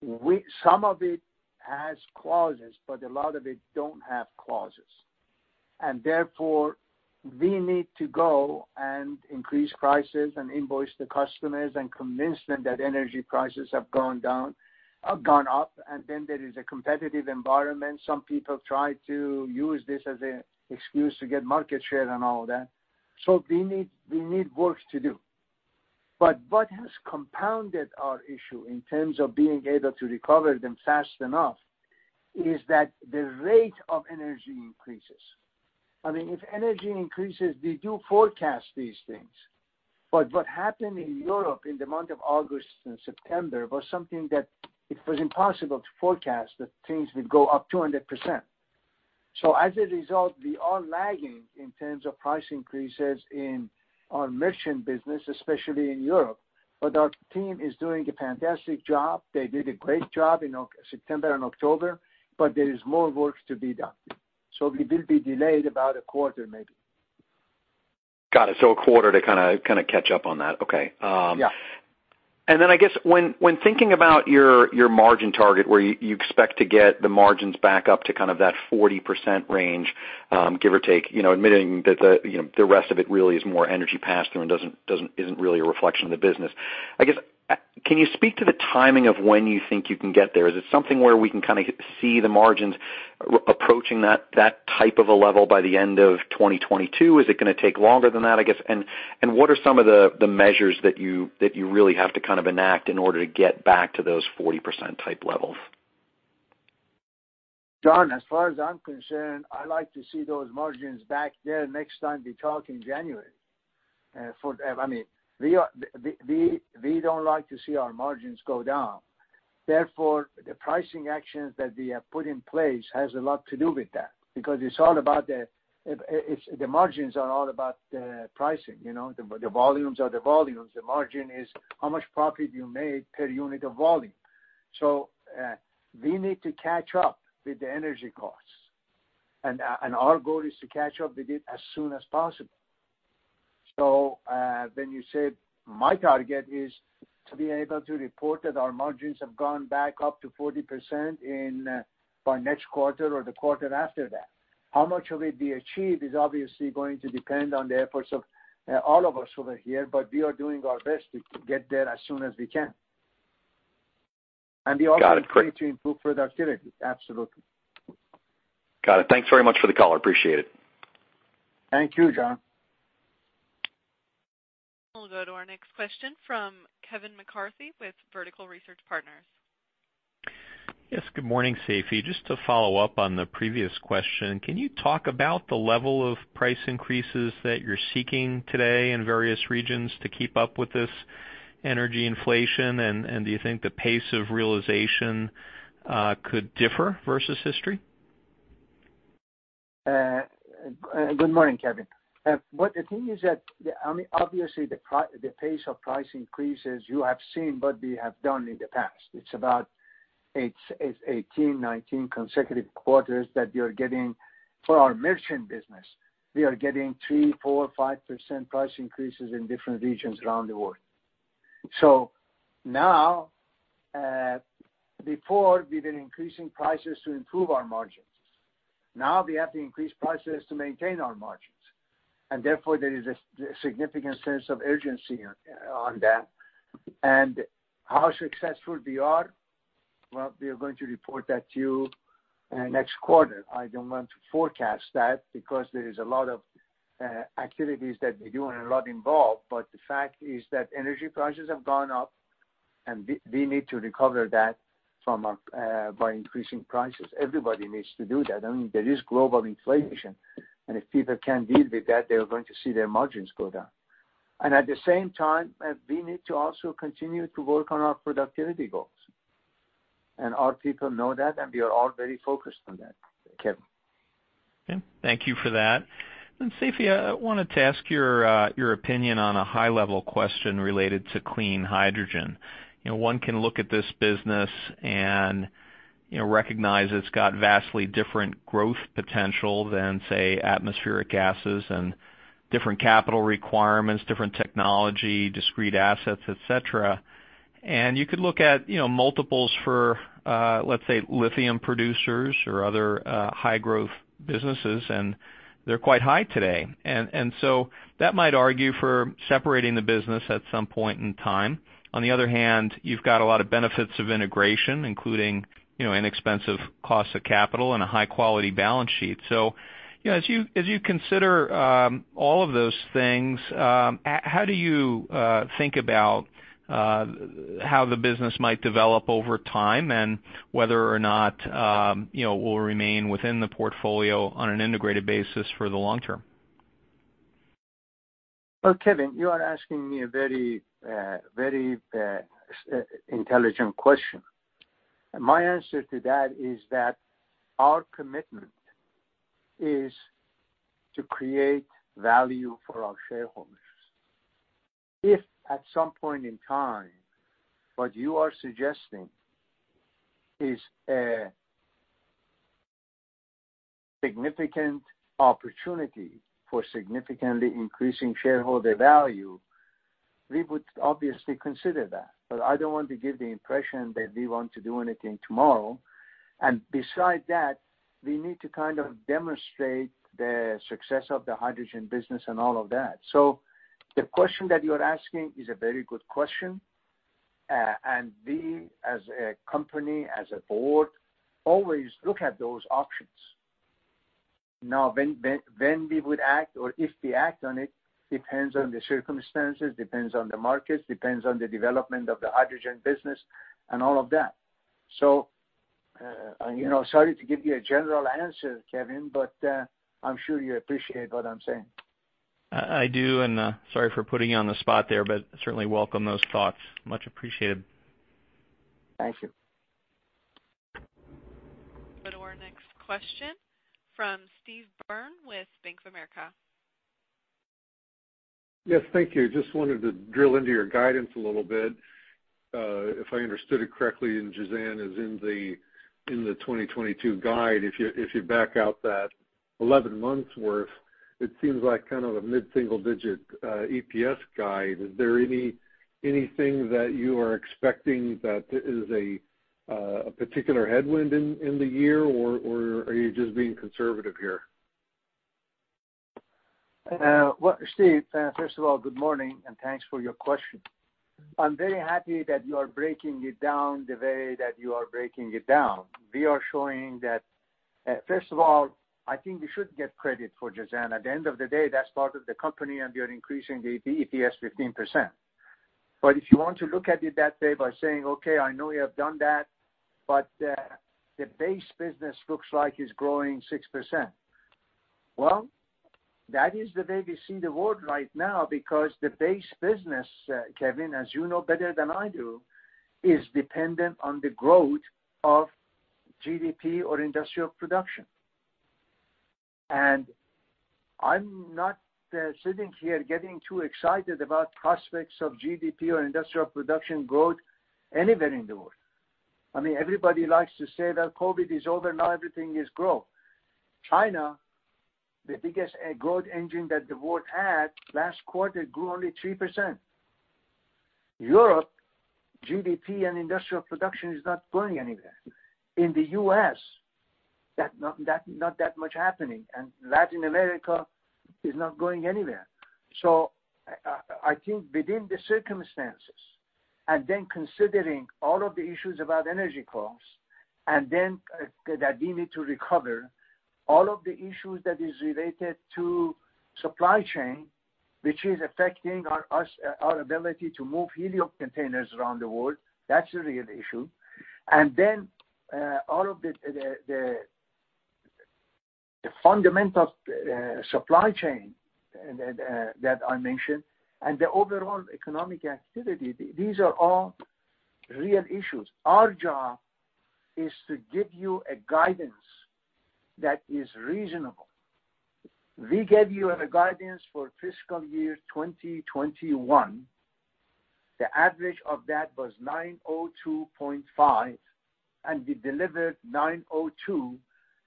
we, some of it has clauses, but a lot of it don't have clauses. Therefore, we need to go and increase prices and invoice the customers and convince them that energy prices have gone up. Then there is a competitive environment. Some people try to use this as an excuse to get market share and all of that. We need work to do. What has compounded our issue in terms of being able to recover them fast enough is that the rate of energy increases. I mean, if energy increases, we do forecast these things. What happened in Europe in the month of August and September was something that it was impossible to forecast that things would go up 200%. As a result, we are lagging in terms of price increases in our merchant business, especially in Europe. Our team is doing a fantastic job. They did a great job in September and October, but there is more work to be done. We will be delayed about a quarter, maybe. Got it. A quarter to kind of catch up on that. Okay. Yeah. I guess when thinking about your margin target where you expect to get the margins back up to kind of that 40% range, give or take, you know, admitting that, you know, the rest of it really is more energy pass-through and isn't really a reflection of the business, can you speak to the timing of when you think you can get there? Is it something where we can kind of see the margins approaching that type of a level by the end of 2022? Is it going to take longer than that, I guess? What are some of the measures that you really have to kind of enact in order to get back to those 40% type levels? John, as far as I'm concerned, I like to see those margins back there next time we talk in January. I mean, we don't like to see our margins go down. Therefore, the pricing actions that we have put in place has a lot to do with that because it's all about the pricing, you know. The margins are all about the pricing. The volumes are the volumes. The margin is how much profit you made per unit of volume. We need to catch up with the energy costs, and our goal is to catch up with it as soon as possible. When you say my target is to be able to report that our margins have gone back up to 40% by next quarter or the quarter after that. How much of it we achieve is obviously going to depend on the efforts of all of us over here, but we are doing our best to get there as soon as we can. Need to improve productivity. Absolutely. Got it. Thanks very much for the call. Appreciate it. Thank you, John. We'll go to our next question from Kevin McCarthy with Vertical Research Partners. Yes, good morning, Seifi. Just to follow up on the previous question, can you talk about the level of price increases that you're seeking today in various regions to keep up with this energy inflation? Do you think the pace of realization could differ versus history? Good morning, Kevin. The thing is that, I mean, obviously the pace of price increases you have seen what we have done in the past. It's about 18, 19 consecutive quarters that we are getting for our merchant business. We are getting 3%, 4%, 5% price increases in different regions around the world. Now, before, we've been increasing prices to improve our margins. Now, we have to increase prices to maintain our margins, and therefore there is a significant sense of urgency on that. How successful we are, well, we are going to report that to you next quarter. I don't want to forecast that because there is a lot of activities that we do and a lot involved. The fact is that energy prices have gone up, and we need to recover that by increasing prices. Everybody needs to do that. I mean, there is global inflation, and if people can't deal with that, they are going to see their margins go down. At the same time, we need to also continue to work on our productivity goals. Our people know that, and we are all very focused on that, Kevin. Okay. Thank you for that. Seifi, I wanted to ask your opinion on a high level question related to clean hydrogen. You know, one can look at this business and, you know, recognize it's got vastly different growth potential than, say, atmospheric gases and different capital requirements, different technology, discrete assets, et cetera. You could look at, you know, multiples for, let's say, lithium producers or other, high growth businesses, and they're quite high today. So that might argue for separating the business at some point in time. On the other hand, you've got a lot of benefits of integration, including, you know, inexpensive costs of capital and a high-quality balance sheet. You know, as you consider all of those things, how do you think about how the business might develop over time and whether or not, you know, will remain within the portfolio on an integrated basis for the long-term? Well, Kevin, you are asking me a very intelligent question. My answer to that is that our commitment is to create value for our shareholders. If at some point in time, what you are suggesting is a significant opportunity for significantly increasing shareholder value, we would obviously consider that. But I don't want to give the impression that we want to do anything tomorrow. And besides that, we need to kind of demonstrate the success of the hydrogen business and all of that. The question that you're asking is a very good question. And we as a company, as a board, always look at those options. Now, when we would act or if we act on it depends on the circumstances, depends on the markets, depends on the development of the hydrogen business and all of that. You know, sorry to give you a general answer, Kevin, but, I'm sure you appreciate what I'm saying. I do. Sorry for putting you on the spot there, but certainly welcome those thoughts. Much appreciated. Thank you. Go to our next question from Steve Byrne with Bank of America. Yes. Thank you. Just wanted to drill into your guidance a little bit. If I understood it correctly, Jazan is in the 2022 guide. If you back out that 11 months worth, it seems like kind of a mid-single digit EPS guide. Is there anything that you are expecting that is a particular headwind in the year, or are you just being conservative here? Well, Steve, first of all, good morning, and thanks for your question. I'm very happy that you are breaking it down the way that you are breaking it down. We are showing that, first of all, I think we should get credit for Jazan. At the end of the day, that's part of the company, and we are increasing the EPS 15%. But if you want to look at it that way by saying, "Okay, I know you have done that, but the base business looks like it's growing 6%." Well, that is the way we see the world right now, because the base business, Kevin, as you know better than I do, is dependent on the growth of GDP or industrial production. I'm not sitting here getting too excited about prospects of GDP or industrial production growth anywhere in the world. I mean, everybody likes to say that COVID is over, now everything is growth. China, the biggest growth engine that the world had, last quarter grew only 3%. Europe, GDP, and industrial production is not going anywhere. In the U.S., not that much happening, and Latin America is not going anywhere. I think within the circumstances, and then considering all of the issues about energy costs, and then that we need to recover all of the issues that is related to supply chain, which is affecting our ability to move helium containers around the world. That's a real issue. All of the fundamental supply chain and that I mentioned and the overall economic activity, these are all real issues. Our job is to give you a guidance that is reasonable. We gave you a guidance for fiscal year 2021. The average of that was $9.025, and we delivered $9.02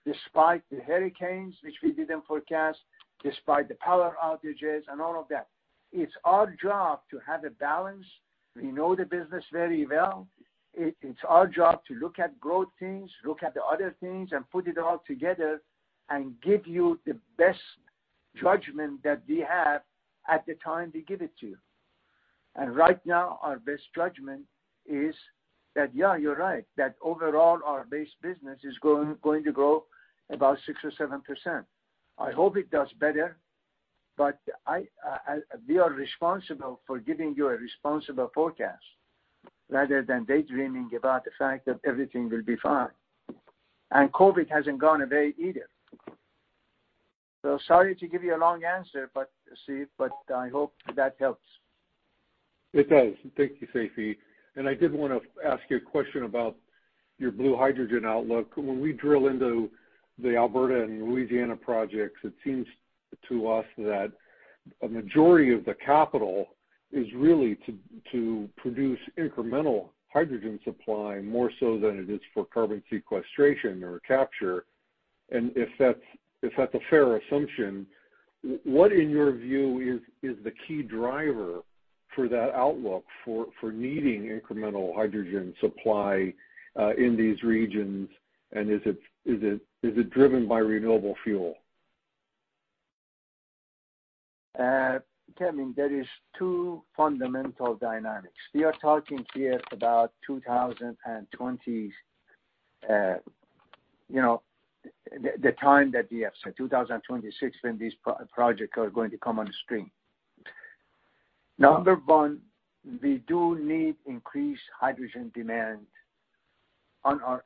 despite the hurricanes, which we didn't forecast, despite the power outages and all of that. It's our job to have a balance. We know the business very well. It's our job to look at growth things, look at the other things, and put it all together and give you the best judgment that we have at the time we give it to you. Right now, our best judgment is that, yeah, you're right. That overall our base business is going to grow about 6% or 7%. I hope it does better, but I, we are responsible for giving you a responsible forecast rather than daydreaming about the fact that everything will be fine. COVID hasn't gone away either. Sorry to give you a long answer, but Steve, I hope that helps. It does. Thank you, Seifi. I did want to ask you a question about your blue hydrogen outlook. When we drill into the Alberta and Louisiana projects, it seems to us that a majority of the capital is really to produce incremental hydrogen supply, more so than it is for carbon sequestration or capture. If that's a fair assumption, what in your view is the key driver for that outlook for needing incremental hydrogen supply in these regions? Is it driven by renewable fuel? Steve, there is two fundamental dynamics. We are talking here about 2020, you know, the time that we have, so 2026 when these projects are going to come on stream. Number one, we do need increased hydrogen demand on our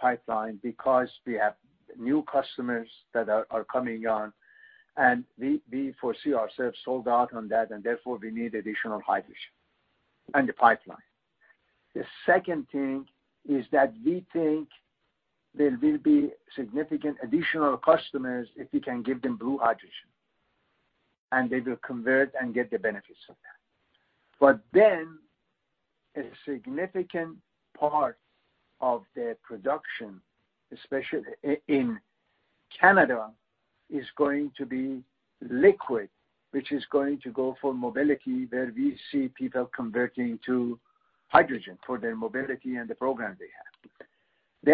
pipeline because we have new customers that are coming on, and we foresee ourselves sold out on that, and therefore we need additional hydrogen in the pipeline. The second thing is that we think there will be significant additional customers if we can give them blue hydrogen, and they will convert and get the benefits of that. Then a significant part of their production, especially in Canada, is going to be liquid, which is going to go for mobility, where we see people converting to hydrogen for their mobility and the program they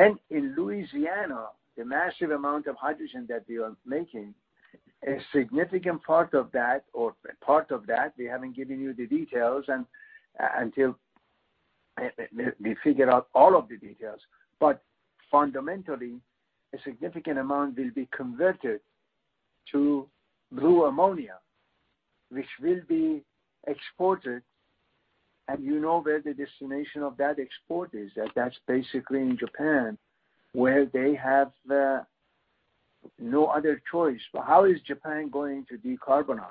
have. In Louisiana, the massive amount of hydrogen that we are making, a significant part of that, we haven't given you the details until we figure out all of the details. Fundamentally, a significant amount will be converted to blue ammonia, which will be exported. You know where the destination of that export is. That's basically in Japan, where they have no other choice. How is Japan going to decarbonize?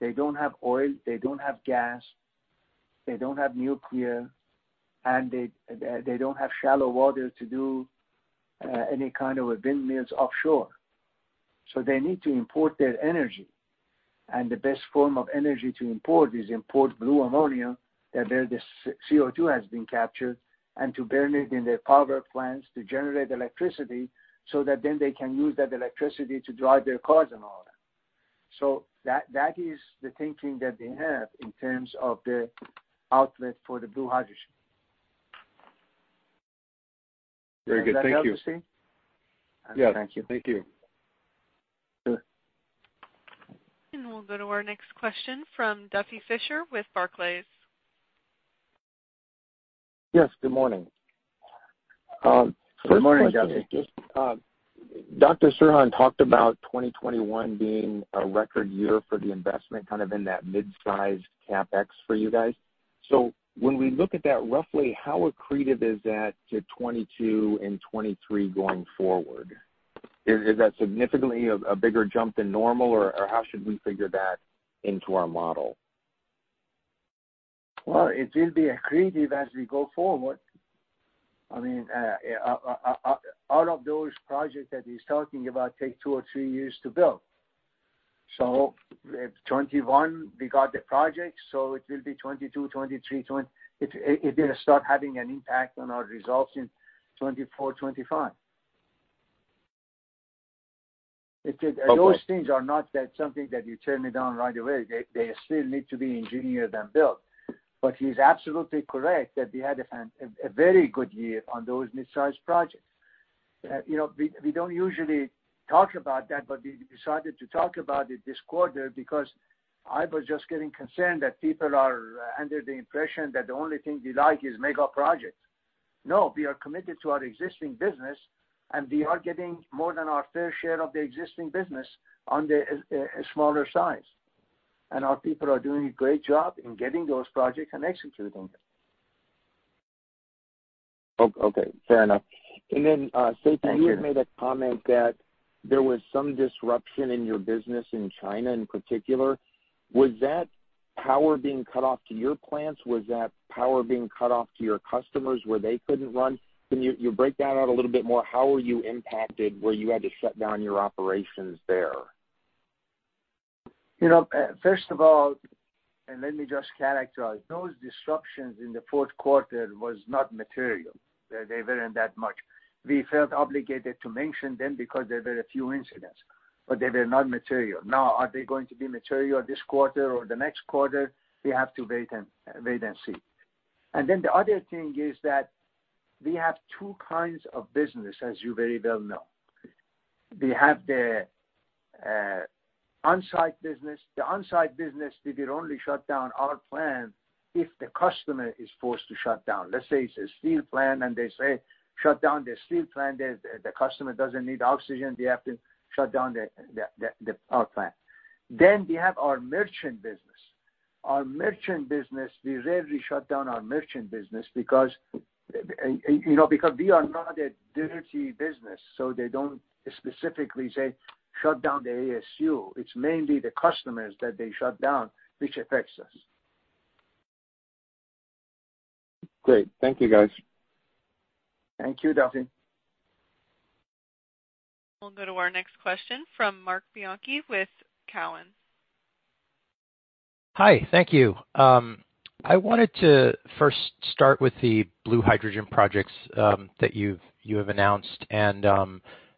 They don't have oil, they don't have gas, they don't have nuclear, and they don't have shallow water to do any kind of a windmills offshore. They need to import their energy, and the best form of energy to import is blue ammonia, where the CO2 has been captured, and to burn it in their power plants to generate electricity, so that then they can use that electricity to drive their cars and all that. That is the thinking that they have in terms of the outlet for the blue hydrogen. Does that help you see? Yeah. Thank you. Thank you. We'll go to our next question from Duffy Fischer with Barclays. Yes, good morning. Good morning, Duffy. Just, Dr. Serhan talked about 2021 being a record year for the investment, kind of in that mid-size CapEx for you guys. When we look at that, roughly how accretive is that to 2022 and 2023 going forward? Is that significantly a bigger jump than normal, or how should we figure that into our model? Well, it will be accretive as we go forward. I mean, all of those projects that he's talking about take two or three years to build. 2021 we got the project, so it will be 2022, 2023. It will start having an impact on our results in 2024, 2025. Those things are not something that you turn on right away. They still need to be engineered and built. He's absolutely correct that we had a very good year on those mid-sized projects. You know, we don't usually talk about that, but we decided to talk about it this quarter because I was just getting concerned that people are under the impression that the only thing we like is mega projects. No, we are committed to our existing business, and we are getting more than our fair share of the existing business on the smaller size. Our people are doing a great job in getting those projects and executing them. Okay, fair enough. Seifi, you had made a comment that there was some disruption in your business in China in particular. Was that power being cut off to your plants? Was that power being cut off to your customers where they couldn't run? Can you break that out a little bit more? How were you impacted where you had to shut down your operations there? You know, first of all, let me just characterize those disruptions in the fourth quarter was not material. They weren't that much. We felt obligated to mention them because there were a few incidents, but they were not material. Now, are they going to be material this quarter or the next quarter? We have to wait and see. The other thing is that we have two kinds of business, as you very well know. We have the on-site business. The on-site business, we will only shut down our plant if the customer is forced to shut down. Let's say it's a steel plant and they say, shut down the steel plant. The customer doesn't need oxygen. We have to shut down our plant. Then we have our merchant business. Our merchant business, we rarely shut down our merchant business because, you know, we are not a dirty business, so they don't specifically say, shut down the ASU. It's mainly the customers that they shut down, which affects us. Great. Thank you, guys. Thank you, Duffy. We'll go to our next question from Marc Bianchi with Cowen. Hi, thank you. I wanted to first start with the blue hydrogen projects that you have announced and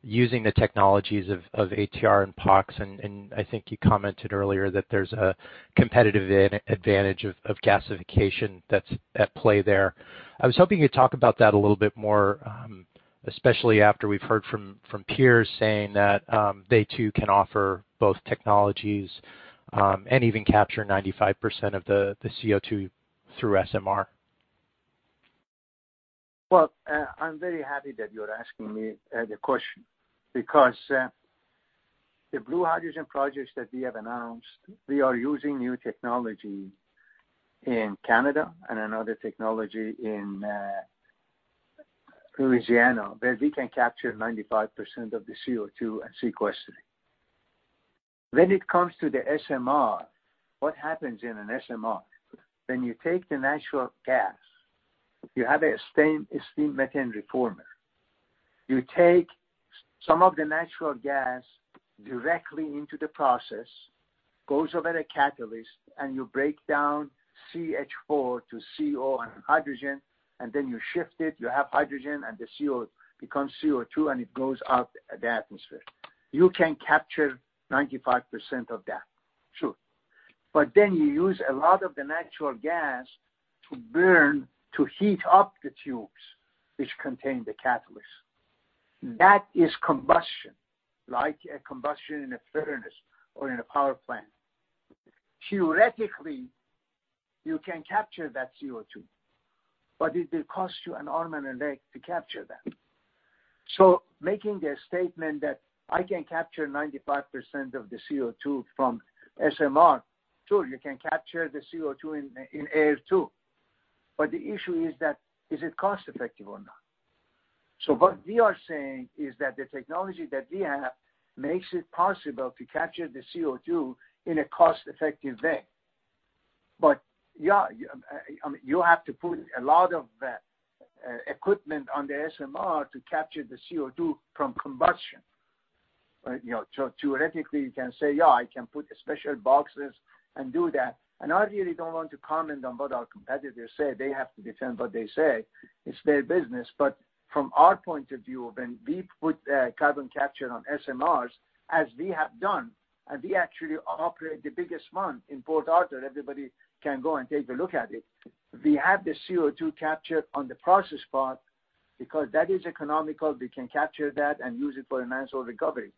using the technologies of ATR and POX, and I think you commented earlier that there's a competitive advantage of gasification that's at play there. I was hoping you'd talk about that a little bit more, especially after we've heard from peers saying that they too can offer both technologies and even capture 95% of the CO2 through SMR. Well, I'm very happy that you're asking me the question because the blue hydrogen projects that we have announced, we are using new technology in Canada and another technology in Louisiana, where we can capture 95% of the CO2 and sequester it. When it comes to the SMR, what happens in an SMR? When you take the natural gas, you have a steam methane reformer. You take some of the natural gas directly into the process, goes over the catalyst, and you break down CH4 to CO and hydrogen, and then you shift it. You have hydrogen, and the CO becomes CO2, and it goes out to the atmosphere. You can capture 95% of that. Sure. But then you use a lot of the natural gas to heat up the tubes which contain the catalyst. That is combustion, like a combustion in a furnace or in a power plant. Theoretically, you can capture that CO2, but it will cost you an arm and a leg to capture that. Making the statement that I can capture 95% of the CO2 from SMR, sure, you can capture the CO2 in air too. The issue is that, is it cost-effective or not? What we are saying is that the technology that we have makes it possible to capture the CO2 in a cost-effective way. Yeah, I mean, you have to put a lot of equipment on the SMR to capture the CO2 from combustion. Right? You know, theoretically, you can say, yeah, I can put special boxes and do that. I really don't want to comment on what our competitors say. They have to defend what they say. It's their business. From our point of view, when we put carbon capture on SMRs, as we have done, and we actually operate the biggest one in Port Arthur, everybody can go and take a look at it. We have the CO2 capture on the process part because that is economical. We can capture that and use it for enhanced oil recovery.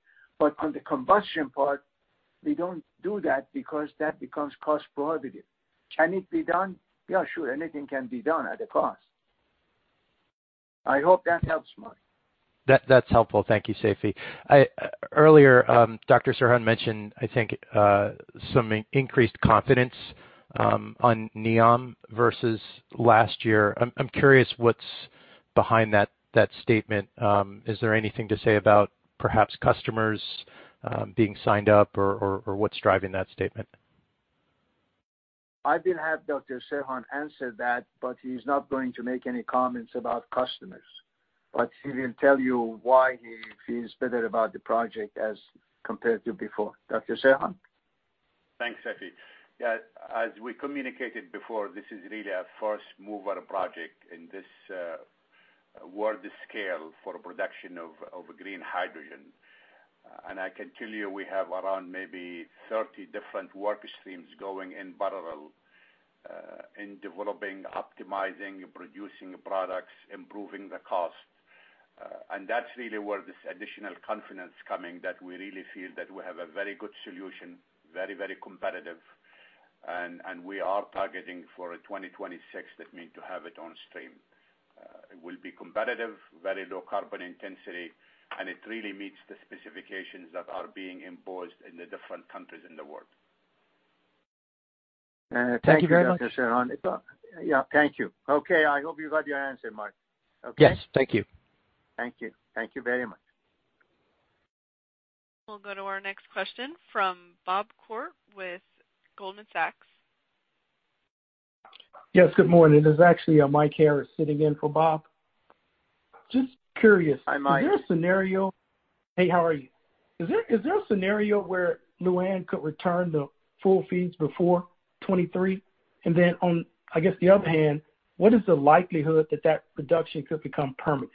On the combustion part, we don't do that because that becomes cost prohibitive. Can it be done? Yeah, sure. Anything can be done at a cost. I hope that helps, Marc. That's helpful. Thank you, Seifi. Earlier, Dr. Serhan mentioned, I think, some increased confidence on NEOM versus last year. I'm curious what's behind that statement. Is there anything to say about perhaps customers being signed up or what's driving that statement? I will have Dr. Serhan answer that, but he's not going to make any comments about customers. He will tell you why he feels better about the project as compared to before. Dr. Serhan? Thanks, Seifi. Yeah, as we communicated before, this is really a first mover project in this world scale for production of green hydrogen. I can tell you, we have around maybe 30 different work streams going in parallel in developing, optimizing, producing products, improving the cost. That's really where this additional confidence coming that we really feel that we have a very good solution, very, very competitive, and we are targeting for a 2026 that mean to have it on stream. It will be competitive, very low carbon intensity, and it really meets the specifications that are being imposed in the different countries in the world. Thank you very much. Thank you, Dr. Serhan. Yeah, thank you. Okay, I hope you got your answer, Marc. Okay? Yes, thank you. Thank you. Thank you very much. We'll go to our next question from Bob Koort with Goldman Sachs. Yes, good morning. This is actually, [Mike Harris] sitting in for Bob. Just curious. Hi, Mike. Hi, how are you? Is there a scenario where Lu'An could return to full feeds before 2023? Then on, I guess, the other hand, what is the likelihood that that reduction could become permanent?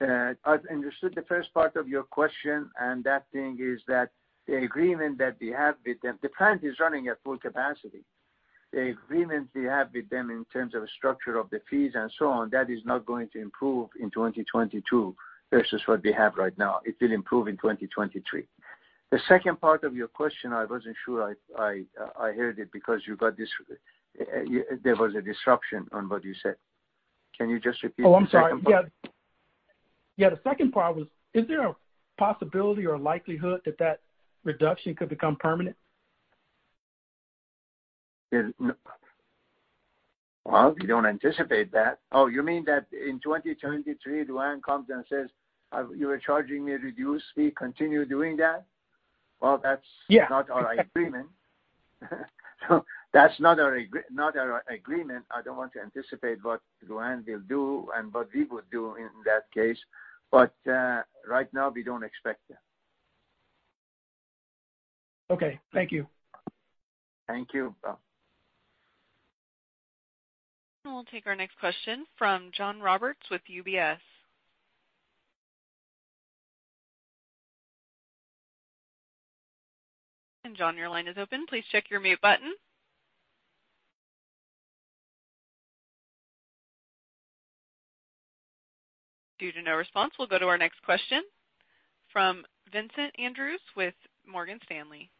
I've understood the first part of your question, and that thing is that the agreement that we have with them, the plant is running at full capacity. The agreements we have with them in terms of structure of the fees and so on, that is not going to improve in 2022 versus what we have right now. It will improve in 2023. The second part of your question, I wasn't sure I heard it because there was a disruption on what you said. Can you just repeat the second part? Oh, I'm sorry. Yeah. Yeah, the second part was, is there a possibility or likelihood that that reduction could become permanent? No. Well, we don't anticipate that. Oh, you mean that in 2023, Lu'An comes and says, "you are charging me a reduced fee. Continue doing that"? Yeah. That's not our agreement. I don't want to anticipate what Lu'An will do and what we would do in that case. Right now we don't expect that. Okay, thank you. Thank you, Bob. We'll take our next question from John Roberts with UBS. John, your line is open. Please check your mute button. Due to no response, we'll go to our next question from Vincent Andrews with Morgan Stanley.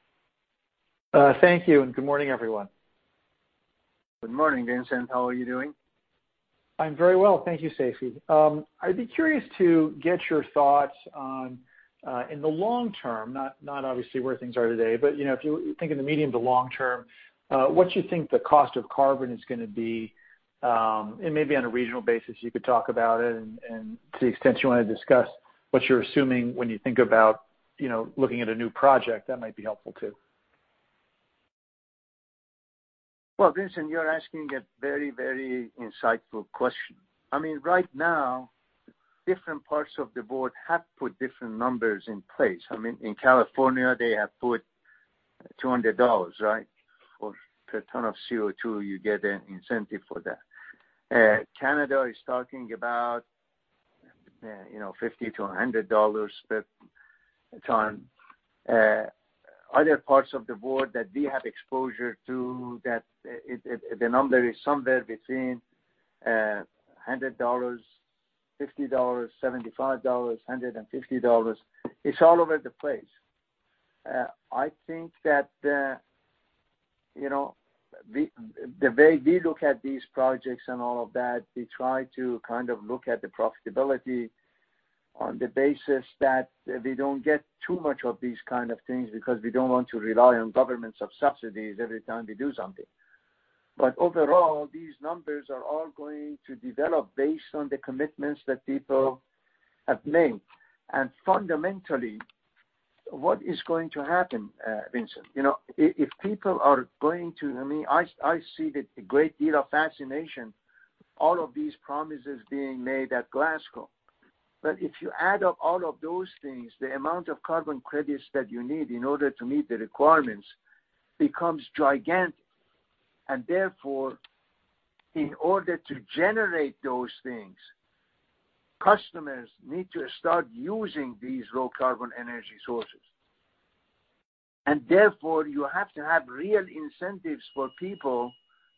Thank you, and good morning, everyone. Good morning, Vincent. How are you doing? I'm very well. Thank you, Seifi. I'd be curious to get your thoughts on in the long-term, not obviously where things are today, but you know, if you think in the medium to long-term, what you think the cost of carbon is going to be, and maybe on a regional basis, you could talk about it and to the extent you want to discuss what you're assuming when you think about you know, looking at a new project, that might be helpful too. Well, Vincent, you're asking a very, very insightful question. I mean, right now, different parts of the world have put different numbers in place. I mean, in California, they have put $200, right? For a ton of CO2, you get an incentive for that. Canada is talking about, you know, $50-$100 per ton. Other parts of the world that we have exposure to, that the number is somewhere between $100, $50, $75, $150. It's all over the place. I think that, you know, the way we look at these projects and all of that, we try to kind of look at the profitability on the basis that we don't get too much of these kind of things, because we don't want to rely on government subsidies every time we do something. Overall, these numbers are all going to develop based on the commitments that people have made. Fundamentally, what is going to happen, Vincent? I see a great deal of fascination, all of these promises being made at Glasgow. If you add up all of those things, the amount of carbon credits that you need in order to meet the requirements becomes gigantic. Therefore, in order to generate those things, customers need to start using these low carbon energy sources. Therefore, you have to have real incentives for people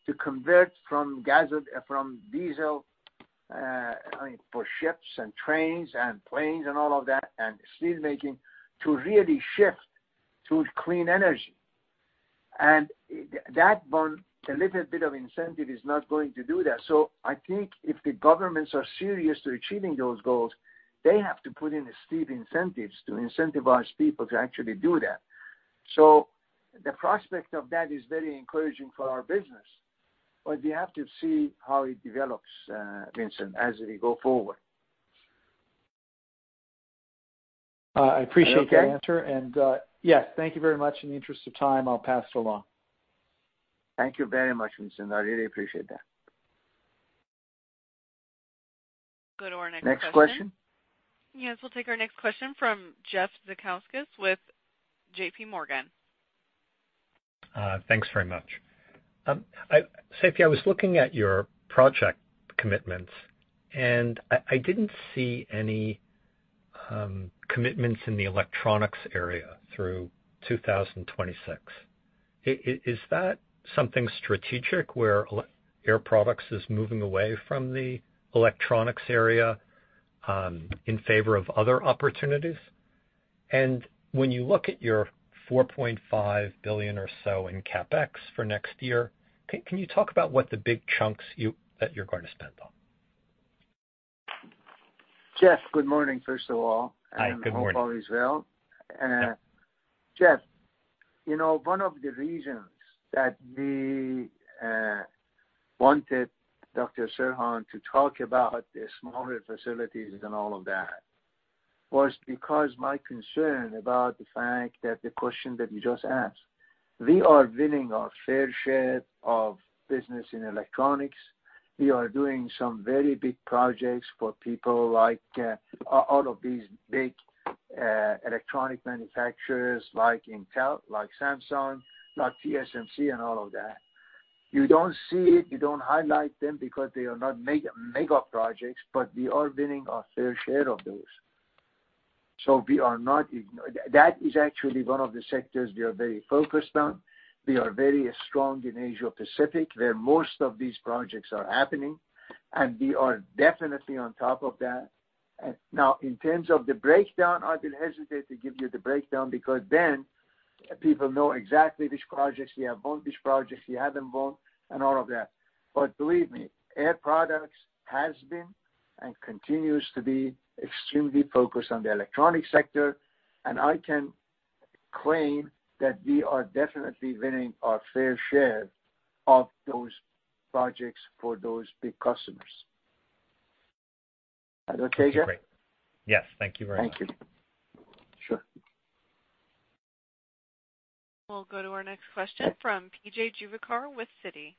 to convert from diesel, I mean, for ships and trains and planes and all of that, and steel making to really shift to clean energy. That one, a little bit of incentive is not going to do that. I think if the governments are serious to achieving those goals, they have to put in steep incentives to incentivize people to actually do that. The prospect of that is very encouraging for our business. We have to see how it develops, Vincent, as we go forward. I appreciate your answer. Is that okay? Yes, thank you very much. In the interest of time, I'll pass it along. Thank you very much, Vincent. I really appreciate that. Go to our next question. Next question. Yes, we'll take our next question from Jeff Zekauskas with JPMorgan. Thanks very much. Seifi, I was looking at your project commitments, and I didn't see any commitments in the electronics area through 2026. Is that something strategic where Air Products is moving away from the electronics area in favor of other opportunities? When you look at your $4.5 billion or so in CapEx for next year, can you talk about what the big chunks that you're going to spend on? Jeff, good morning, first of all. Hi, good morning. I hope all is well. Jeff, you know, one of the reasons that we wanted Dr. Serhan to talk about the smaller facilities and all of that was because my concern about the fact that the question that you just asked. We are winning our fair share of business in electronics. We are doing some very big projects for people like all of these big electronic manufacturers like Intel, like Samsung, like TSMC and all of that. You don't see it, you don't highlight them because they are not mega projects, but we are winning our fair share of those. That is actually one of the sectors we are very focused on. We are very strong in Asia-Pacific, where most of these projects are happening, and we are definitely on top of that. Now, in terms of the breakdown, I will hesitate to give you the breakdown because then people know exactly which projects we have won, which projects we haven't won and all of that. Believe me, Air Products has been and continues to be extremely focused on the electronics sector, and I can claim that we are definitely winning our fair share of those projects for those big customers. Is that okay, Jeff? Yes. Thank you very much. Thank you. Sure. We'll go to our next question from P.J. Juvekar with Citi.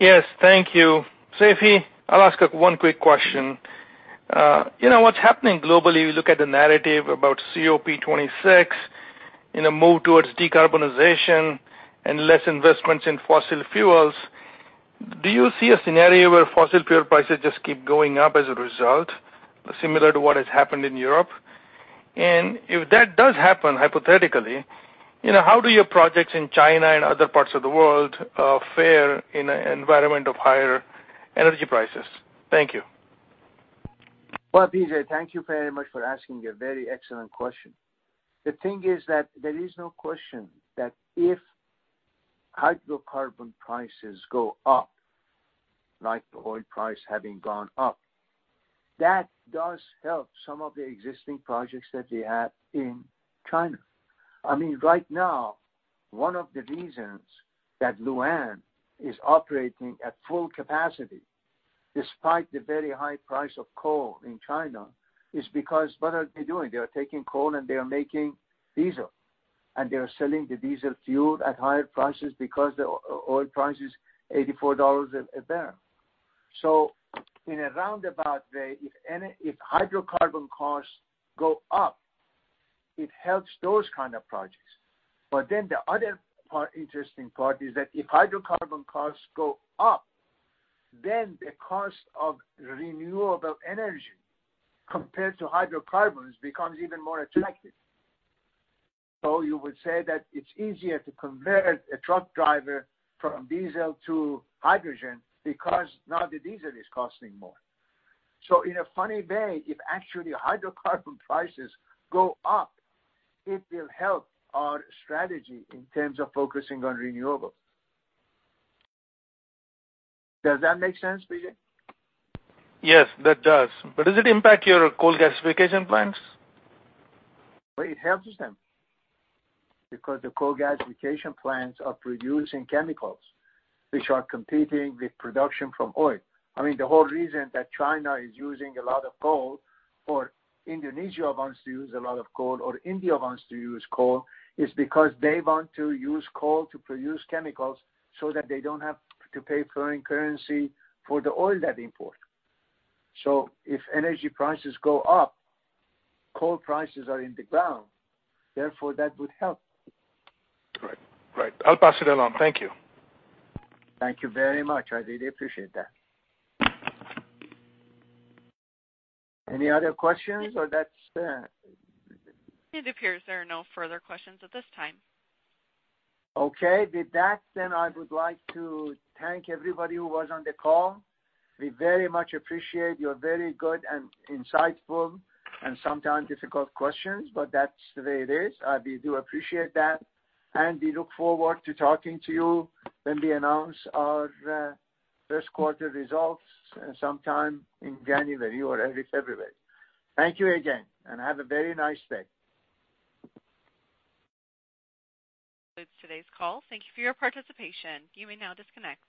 Yes, thank you. Seifi, I'll ask one quick question. You know, what's happening globally, we look at the narrative about COP26 in a move towards decarbonization and less investments in fossil fuels. Do you see a scenario where fossil fuel prices just keep going up as a result, similar to what has happened in Europe? If that does happen, hypothetically, you know, how do your projects in China and other parts of the world fare in an environment of higher energy prices? Thank you. Well, P.J., thank you very much for asking a very excellent question. The thing is that there is no question that if hydrocarbon prices go up, like the oil price having gone up, that does help some of the existing projects that we have in China. I mean, right now, one of the reasons that Lu'An is operating at full capacity, despite the very high price of coal in China, is because what are they doing? They are taking coal and they are making diesel, and they are selling the diesel fuel at higher prices because the oil price is $84 a barrel. In a roundabout way, if hydrocarbon costs go up, it helps those kind of projects. The other part, interesting part is that if hydrocarbon costs go up, then the cost of renewable energy compared to hydrocarbons becomes even more attractive. You would say that it's easier to convert a truck driver from diesel to hydrogen because now the diesel is costing more. In a funny way, if actually hydrocarbon prices go up, it will help our strategy in terms of focusing on renewables. Does that make sense, P.J.? Yes, that does. Does it impact your coal gasification plans? Well, it helps them because the coal gasification plants are producing chemicals which are competing with production from oil. I mean, the whole reason that China is using a lot of coal, or Indonesia wants to use a lot of coal, or India wants to use coal, is because they want to use coal to produce chemicals so that they don't have to pay foreign currency for the oil they import. If energy prices go up, coal prices are in the ground, therefore that would help. Right. I'll pass it along. Thank you. Thank you very much. I really appreciate that. Any other questions? It appears there are no further questions at this time. Okay. With that, then I would like to thank everybody who was on the call. We very much appreciate your very good and insightful and sometimes difficult questions, but that's the way it is. We do appreciate that, and we look forward to talking to you when we announce our first quarter results sometime in January or early February. Thank you again, and have a very nice day. That concludes today's call. Thank you for your participation. You may now disconnect.